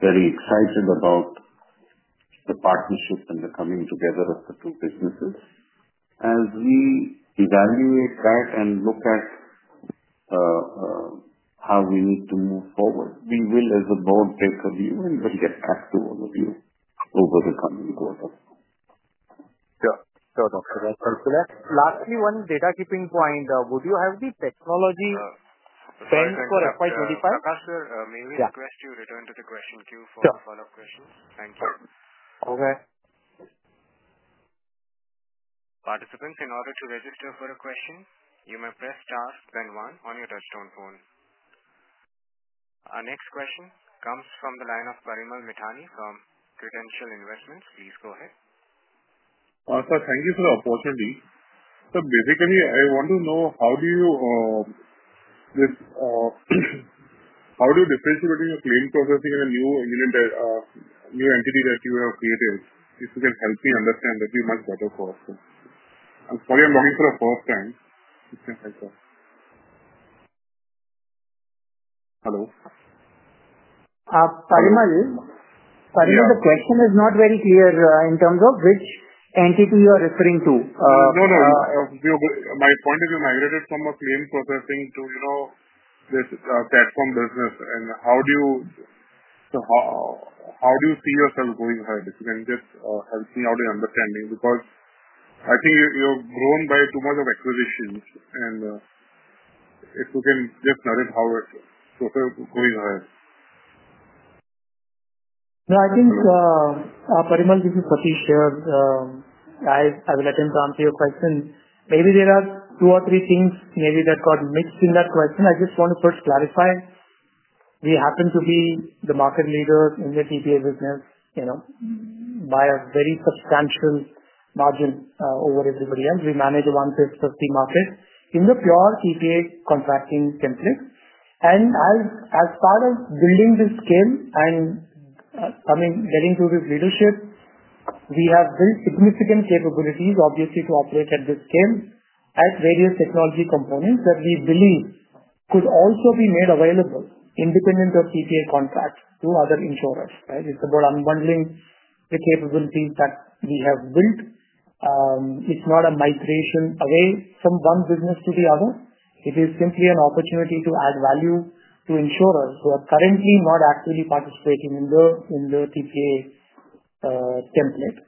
very excited about the partnership and the coming together of the two businesses. As we evaluate that and look at how we need to move forward, we will, as a board, take a view and will get back to all of you over the coming quarter. Sure. Sure. Dr. Prakash, lastly, one data keeping point. Would you have the technology spend for FY 2025? Prakash, may we request you return to the question queue for a follow-up question? Thank you. Okay. Participants, in order to register for a question, you may press star then one on your touchstone phone. Our next question comes from the line of Parimal Mithani from Credential Investments. Please go ahead. Also, thank you for the opportunity. So basically, I want to know how do you differentiate between your claim processing and a new entity that you have created? If you can help me understand, that would be much better for us. I'm sorry, I'm logging for the first time. If you can help us. Hello? Parimal, the question is not very clear in terms of which entity you are referring to. No, no. My point is you migrated from a claim processing to this platform business. And how do you see yourself going ahead? If you can just help me, I'll be understanding. Because I think you've grown by too much of acquisitions. If you can just narrate how it's going ahead. No, I think Parimal, this is Satish here. I will attempt to answer your question. Maybe there are two or three things that got mixed in that question. I just want to first clarify. We happen to be the market leader in the TPA business by a very substantial margin over everybody else. We manage a fifth of the market in the pure TPA contracting template. As part of building this scale and getting through this leadership, we have built significant capabilities, obviously, to operate at this scale at various technology components that we believe could also be made available independent of TPA contract to other insurers. It's about unbundling the capabilities that we have built. It's not a migration away from one business to the other. It is simply an opportunity to add value to insurers who are currently not actively participating in the TPA template.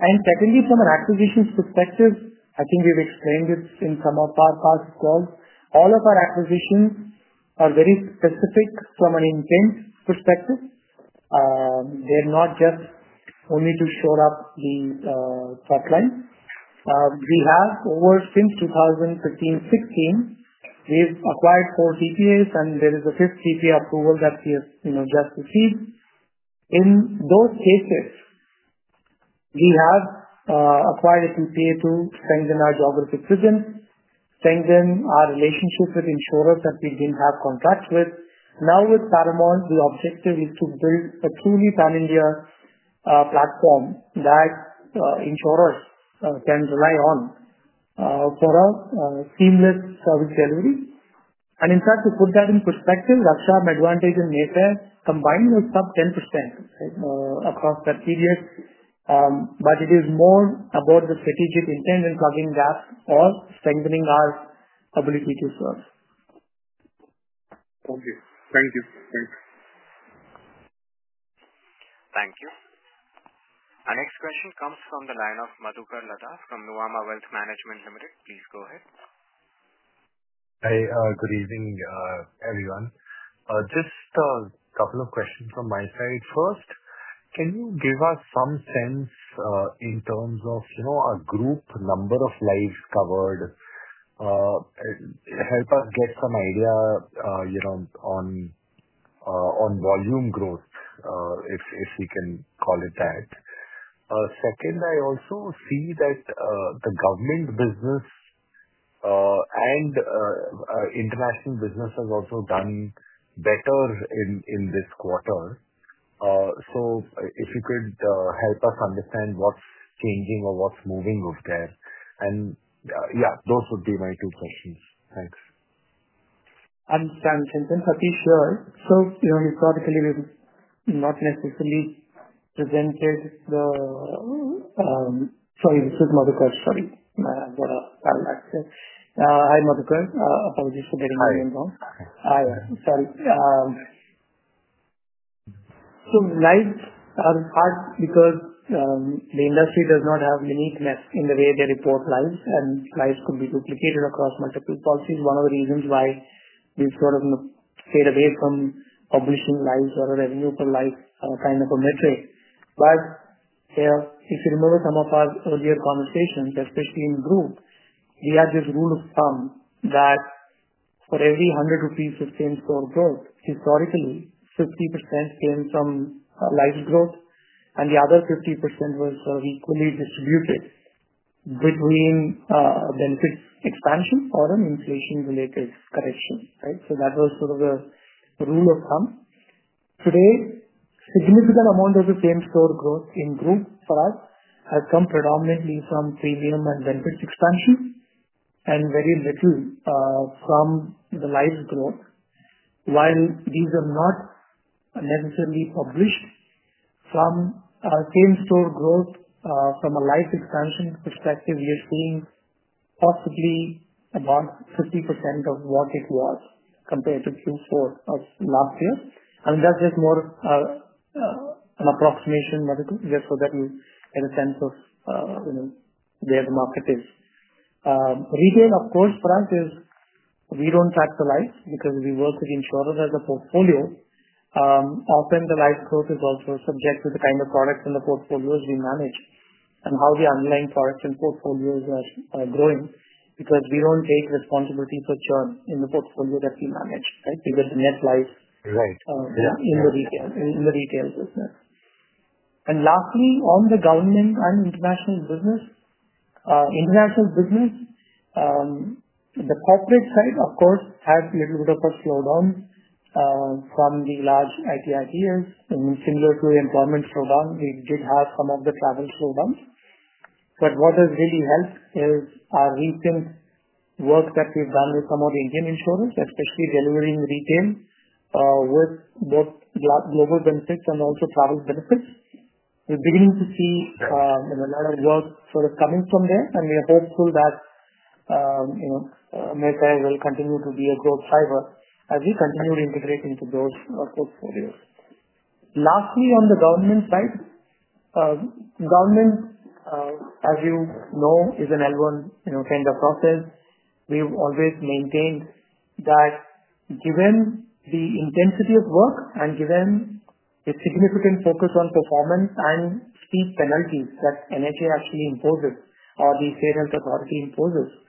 Secondly, from an acquisitions perspective, I think we've explained this in some of our past calls. All of our acquisitions are very specific from an intent perspective. They're not just only to shore up the pipeline. We have, since 2015-2016, acquired four TPAs, and there is a fifth TPA approval that we have just received. In those cases, we have acquired a TPA to strengthen our geographic presence, strengthen our relationship with insurers that we did not have contracts with. Now, with Paramount, the objective is to build a truly pan-India platform that insurers can rely on for a seamless service delivery. In fact, to put that in perspective, Raksha Advantage and Mayfair combined were sub 10% across that period. It is more about the strategic intent and plugging gaps or strengthening our ability to serve. Thank you. Thank you. Thank you. Thank you. Our next question comes from the line of Madhukar Ladha from Nuama Wealth Management Limited. Please go ahead. Hi. Good evening, everyone. Just a couple of questions from my side. First, can you give us some sense in terms of our group number of lives covered? Help us get some idea on volume growth, if we can call it that. Second, I also see that the government business and international business has also done better in this quarter. If you could help us understand what is changing or what is moving up there. Yeah, those would be my two questions. Thanks. Satish here. Historically, we've not necessarily presented the—sorry, this is Madhukar. Sorry. I've got a bad accent. Hi, Madhukar. Apologies for getting you involved. Hi. Sorry. Lives are hard because the industry does not have uniqueness in the way they report lives, and lives could be duplicated across multiple policies. One of the reasons why we've sort of stayed away from publishing lives or a revenue per life kind of a metric. If you remember some of our earlier conversations, especially in group, we had this rule of thumb that for every 100 rupees of claim store growth, historically, 50% came from lives growth, and the other 50% was sort of equally distributed between benefits expansion or an inflation-related correction, right? That was sort of the rule of thumb. Today, a significant amount of the claim store growth in group for us has come predominantly from premium and benefits expansion and very little from the lives growth. While these are not necessarily published, from claim store growth, from a life expansion perspective, we are seeing possibly about 50% of what it was compared to Q4 of last year. That is just more an approximation, Madhukar, just so that you get a sense of where the market is. Retail, of course, for us is we do not track the lives because we work with insurers as a portfolio. Often, the life growth is also subject to the kind of products and the portfolios we manage and how the underlying products and portfolios are growing because we do not take responsibility for churn in the portfolio that we manage, right. Because the net lives are in the retail business. Lastly, on the government and international business, the corporate side, of course, had a little bit of a slowdown from the large ITIPs. Similar to the employment slowdown, we did have some of the travel slowdowns. What has really helped is our recent work that we've done with some of the Indian insurers, especially delivering retail with both global benefits and also travel benefits. We're beginning to see a lot of work sort of coming from there, and we are hopeful that Mayfair will continue to be a growth driver as we continue to integrate into those portfolios. Lastly, on the government side, government, as you know, is an L1 kind of process. We've always maintained that given the intensity of work and given the significant focus on performance and speed penalties that NHA actually imposes or the State Health Authority imposes,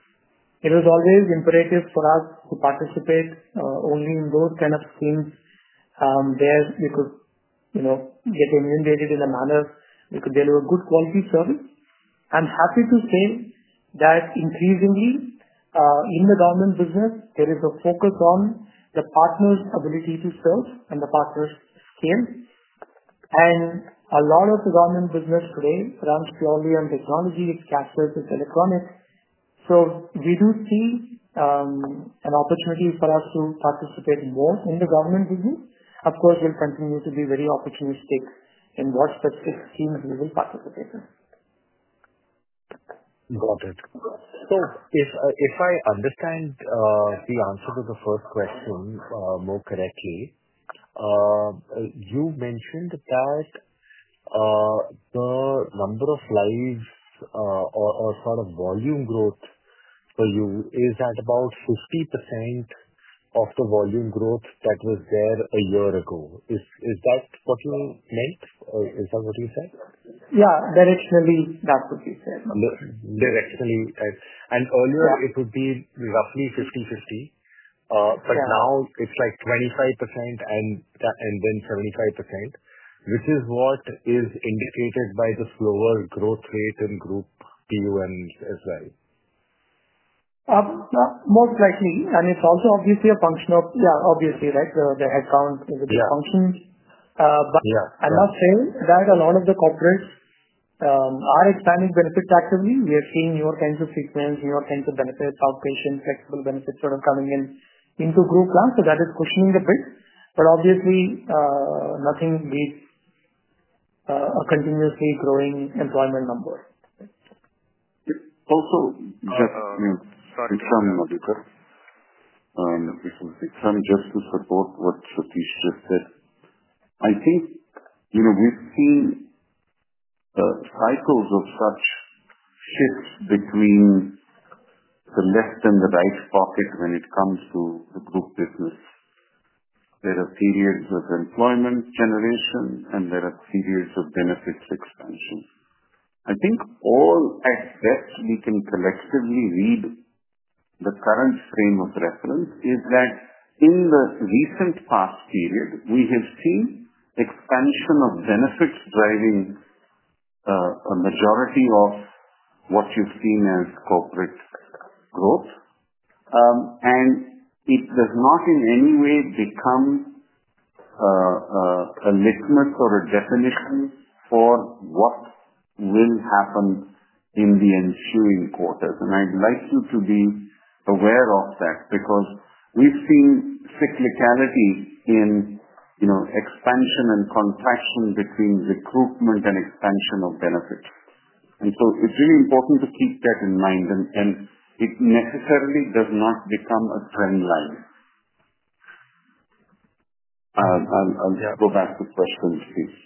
it was always imperative for us to participate only in those kind of schemes where we could get remunerated in a manner we could deliver good quality service. I'm happy to say that increasingly in the government business, there is a focus on the partner's ability to serve and the partner's scale. A lot of the government business today runs purely on technology. It captures its electronics. We do see an opportunity for us to participate more in the government business. Of course, we'll continue to be very opportunistic in what specific schemes we will participate in. Got it. If I understand the answer to the first question more correctly, you mentioned that the number of lives or sort of volume growth for you is at about 50% of the volume growth that was there a year ago. Is that what you meant? Is that what you said? Yeah. Directionally, that's what you said. Directionally. Earlier, it would be roughly 50/50, but now it's like 25% and then 75%, which is what is indicated by the slower growth rate in group PUMs as well. Most likely. It's also obviously a function of, yeah, obviously, right? The headcount is a big function. I must say that a lot of the corporates are expanding benefits actively. We are seeing newer kinds of treatments, newer kinds of benefits, outpatient flexible benefits sort of coming into group plans. That is cushioning a bit. Obviously, nothing beats a continuously growing employment number. Also, just to confirm, Madhukar, this is a big term just to support what Satish just said. I think we've seen cycles of such shifts between the left and the right pocket when it comes to the group business. There are periods of employment generation, and there are periods of benefits expansion. I think all at best we can collectively read the current frame of reference is that in the recent past period, we have seen expansion of benefits driving a majority of what you've seen as corporate growth. It does not in any way become a litmus or a definition for what will happen in the ensuing quarters. I'd like you to be aware of that because we've seen cyclicality in expansion and contraction between recruitment and expansion of benefits. It is really important to keep that in mind. It necessarily does not become a trend line. I'll go back to questions, please.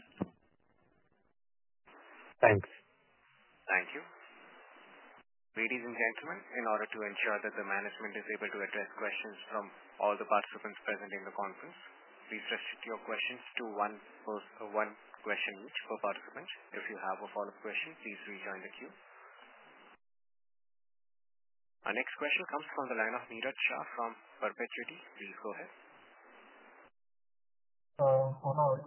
Thank you. Ladies and gentlemen, in order to ensure that the management is able to address questions from all the participants present in the conference, please restrict your questions to one question each per participant. If you have a follow-up question, please rejoin the queue. Our next question comes from the line of Meera Chah from Perpetuity. Please go ahead. Hello.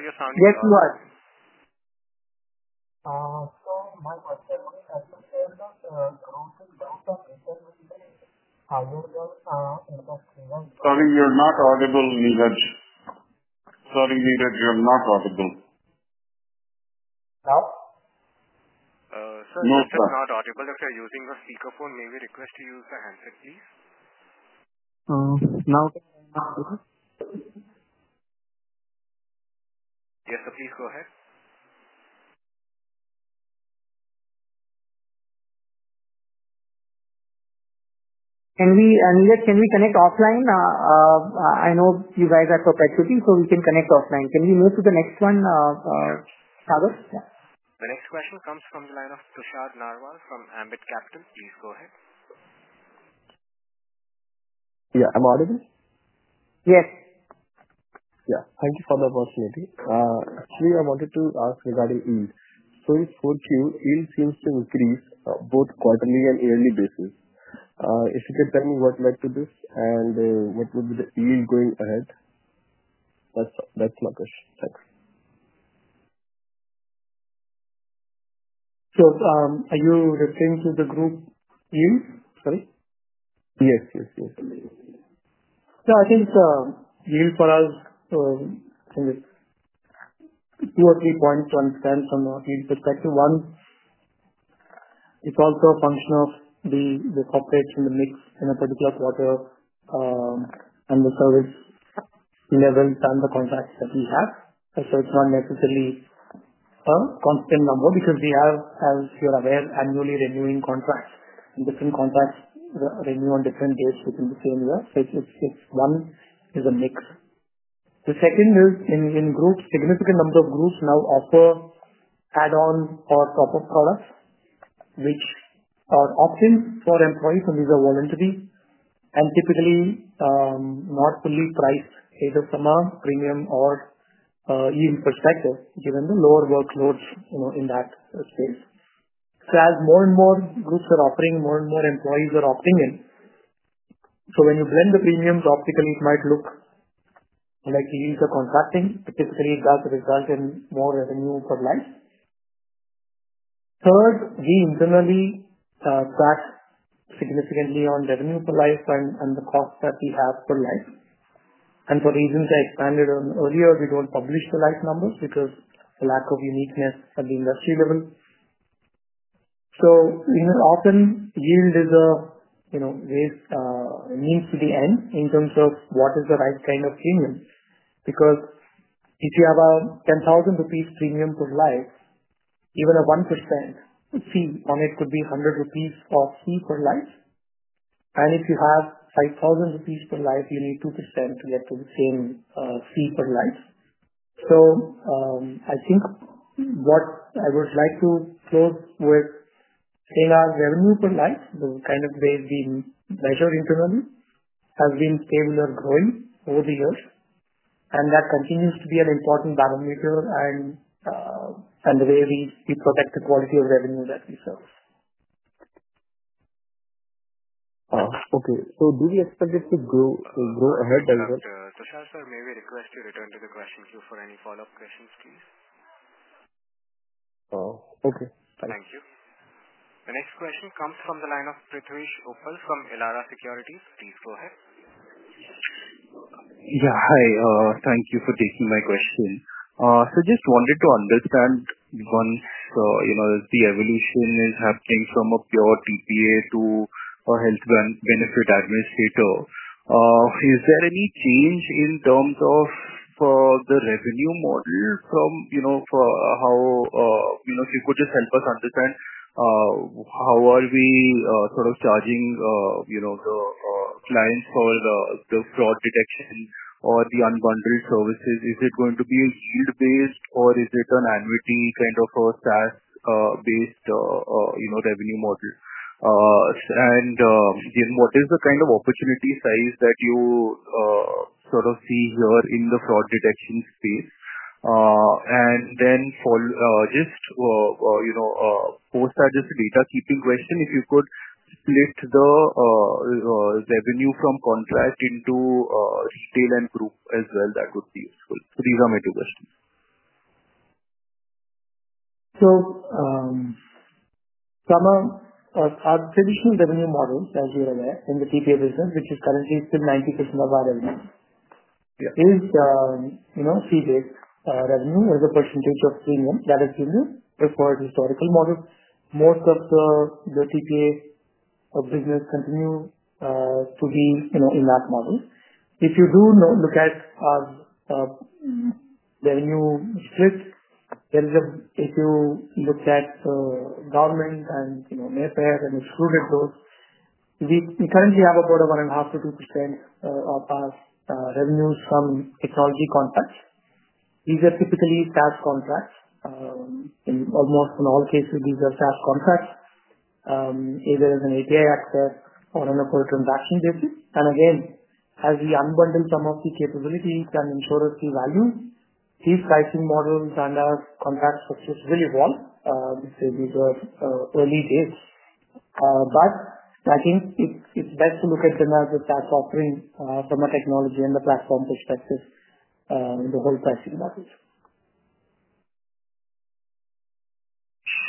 You're sounding good. Yes, you are. My question is, as you said, growth in retail will be higher than industrial. Sorry, you're not audible, Meera. Sorry, Meera, you're not audible. Now? Sir? No, sir, I'm not audible. If you're using a speakerphone, may we request you use the handset, please? Now can I not hear you? Yes, please go ahead. Niraj, can we connect offline? I know you guys are Perpetuity, so we can connect offline. Can we move to the next one, Chagos? The next question comes from the line of Tushar Narwal from Ambit Capital. Please go ahead. Yeah. Am I audible? Yes. Yeah. Thank you for the opportunity. Actually, I wanted to ask regarding yield. In fourth year, yield seems to increase on both quarterly and yearly basis. If you could tell me what led to this and what would be the yield going ahead? That is my question. Thanks. Are you referring to the group yield? Sorry. Yes, yes, yes. Yeah, I think yield for us, I think it is two or three points to understand from our field perspective. One, it is also a function of the corporates in the mix in a particular quarter and the service levels and the contracts that we have. It is not necessarily a constant number because we have, as you are aware, annually renewing contracts. Different contracts renew on different dates within the same year. It is one is a mix. The second is in groups, significant number of groups now offer add-on or top-up products, which are opt-in for employees, and these are voluntary and typically not fully priced either from a premium or yield perspective given the lower workloads in that space. As more and more groups are offering, more and more employees are opting in. When you blend the premiums, optically, it might look like yields are contracting, but typically, that results in more revenue per life. Third, we internally track significantly on revenue per life and the cost that we have per life. For reasons I expanded on earlier, we do not publish the life numbers because of the lack of uniqueness at the industry level. Often, yield is a means to the end in terms of what is the right kind of premium. If you have an 10,000 rupees premium per life, even a 1% fee on it could be 100 rupees of fee per-life. If you have 5,000 rupees per-life, you need 2% to get to the same fee per-life. I think what I would like to close with is saying our revenue per-life, the kind of way we measure internally, has been stable or growing over the years. That continues to be an important barometer and the way we protect the quality of revenue that we serve. Okay. Do we expect it to grow ahead? Tushar, sir, may we request to return to the question queue for any follow-up questions, please? Okay. Thanks. Thank you. The next question comes from the line of Prithvish Uppal from Elara Securities. Please go ahead. Yeah.Hi. Thank you for taking my question. So just wanted to understand once the evolution is happening from a pure TPA to a health benefit administrator, is there any change in terms of the revenue model from how if you could just help us understand how are we sort of charging the clients for the fraud detection or the unbundled services, is it going to be a yield-based or is it an annuity kind of a SaaS-based revenue model? What is the kind of opportunity size that you sort of see here in the fraud detection space? Just post that as a data keeping question, if you could split the revenue from contract into retail and group as well, that would be useful. These are my two questions. Our traditional revenue model, as you're aware, in the TPA business, which is currently still 90% of our revenue, is fee-based revenue as a percentage of premium that is given for historical models. Most of the TPA business continues to be in that model. If you do look at our revenue split, if you look at the government and Mayfair and excluded those, we currently have about a 1.5%-2% of our revenues from technology contracts. These are typically SaaS contracts. In almost all cases, these are SaaS contracts, either as an API access or on a per-transaction basis. Again, as we unbundle some of the capabilities and insurance fee values, these pricing models and our contract structures will evolve. These are early days. I think it's best to look at them as a SaaS offering from a technology and the platform perspective in the whole pricing model.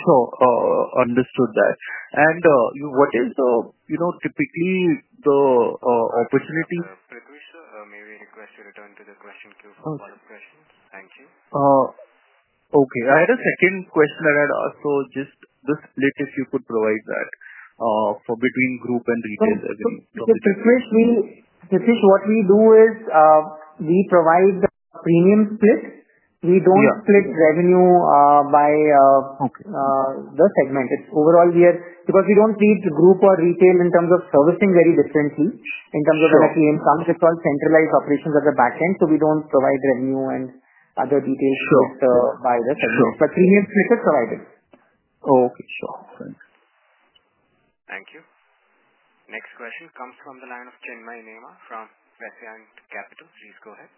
Sure. Understood that. What is typically the opportunity? Prithvish, sir, may we request to return to the question queue for follow-up questions? Thank you. Okay. I had a second question that I had asked. Just the split, if you could provide that for between group and retail revenue. Prithvish, what we do is we provide a premium split. We do not split revenue by the segment. It's overall because we do not treat group or retail in terms of servicing very differently. In terms of when a client comes, it's all centralized operations at the back end. So we don't provide revenue and other details split by the segment. But premium split is provided. Okay. Sure. Thanks. Thank you. Next question comes from the line of Chenmai Neuma from Vissant Capital. Please go ahead.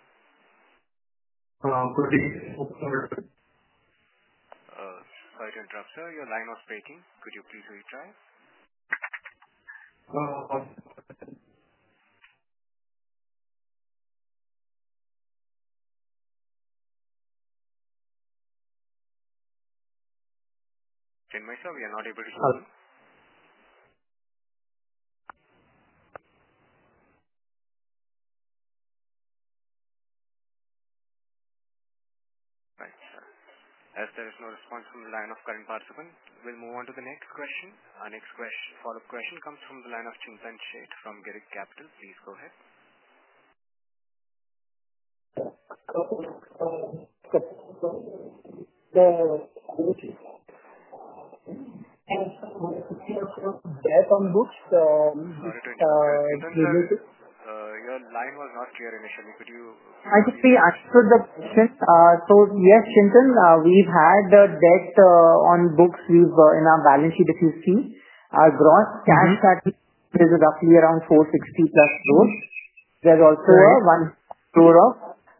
Good evening. Sorry to interrupt, sir. Your line was breaking. Could you please retry? Chenmai sir, we are not able to hear you. Thanks, sir. As there is no response from the line of current participants, we'll move on to the next question. Our next follow-up question comes from the line of Chintan Sheth from Girik Capital. Please go ahead. Noted on the questions. Your line was not clear initially. Could you? I just reactualized the question. So yes, Chintan, we've had debt on books in our balance sheet if you see. Our gross cash, that is roughly around 460+ million gross. There is also a 1/3 of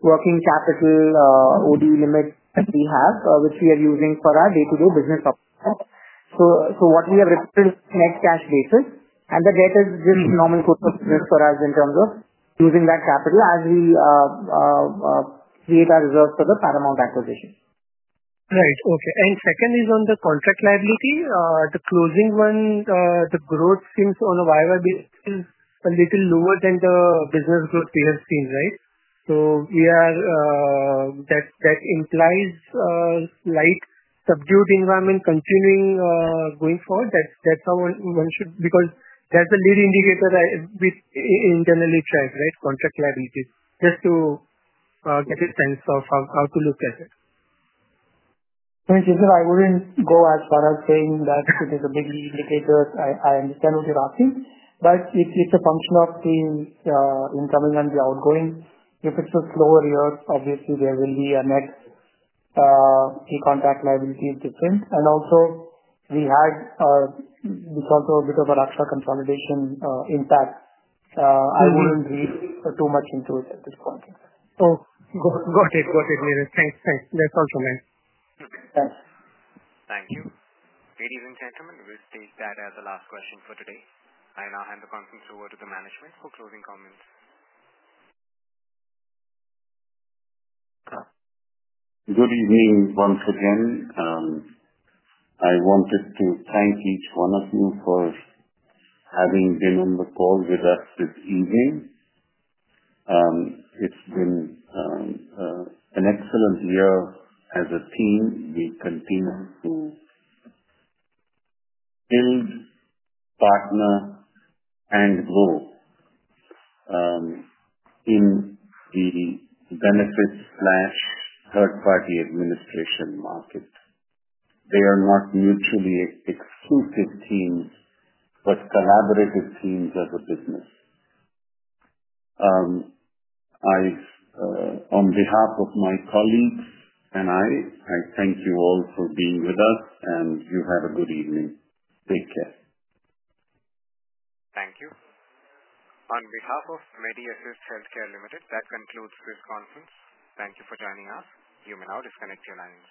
working capital OD limit that we have, which we are using for our day-to-day business. What we have recorded is net cash basis. The debt is just normal code of business for us in terms of using that capital as we create our reserves for the Paramount acquisition. Right. Okay. Second is on the contract liability. The closing one, the growth seems on a year-on-year basis a little lower than the business growth we have seen, right? That implies slight subdued environment continuing going forward. That is how one should, because that is the lead indicator we internally track, right? Contract liability. Just to get a sense of how to look at it? Chintan, I would not go as far as saying that it is a big indicator. I understand what you are asking. It is a function of the incoming and the outgoing. If it is a slower year, obviously, there will be a net fee contract liability difference. Also, we had this bit of a Raksha consolidation impact. I would not read too much into it at this point. Got it. Got it, Niraj. Thanks. Thanks. That is all from me. Thanks. Thank you. Ladies and gentlemen, we will stage that as the last question for today. I now hand the conference over to the management for closing comments. Good evening once again. I wanted to thank each one of you for having been on the call with us this evening. It has been an excellent year as a team. We continue to build, partner, and grow in the benefits/third-party administration market. They are not mutually exclusive teams but collaborative teams as a business. On behalf of my colleagues and I, I thank you all for being with us, and you have a good evening. Take care. Thank you. On behalf of Medi Assist Healthcare Services Limited, that concludes this conference. Thank you for joining us. You may now disconnect your lines.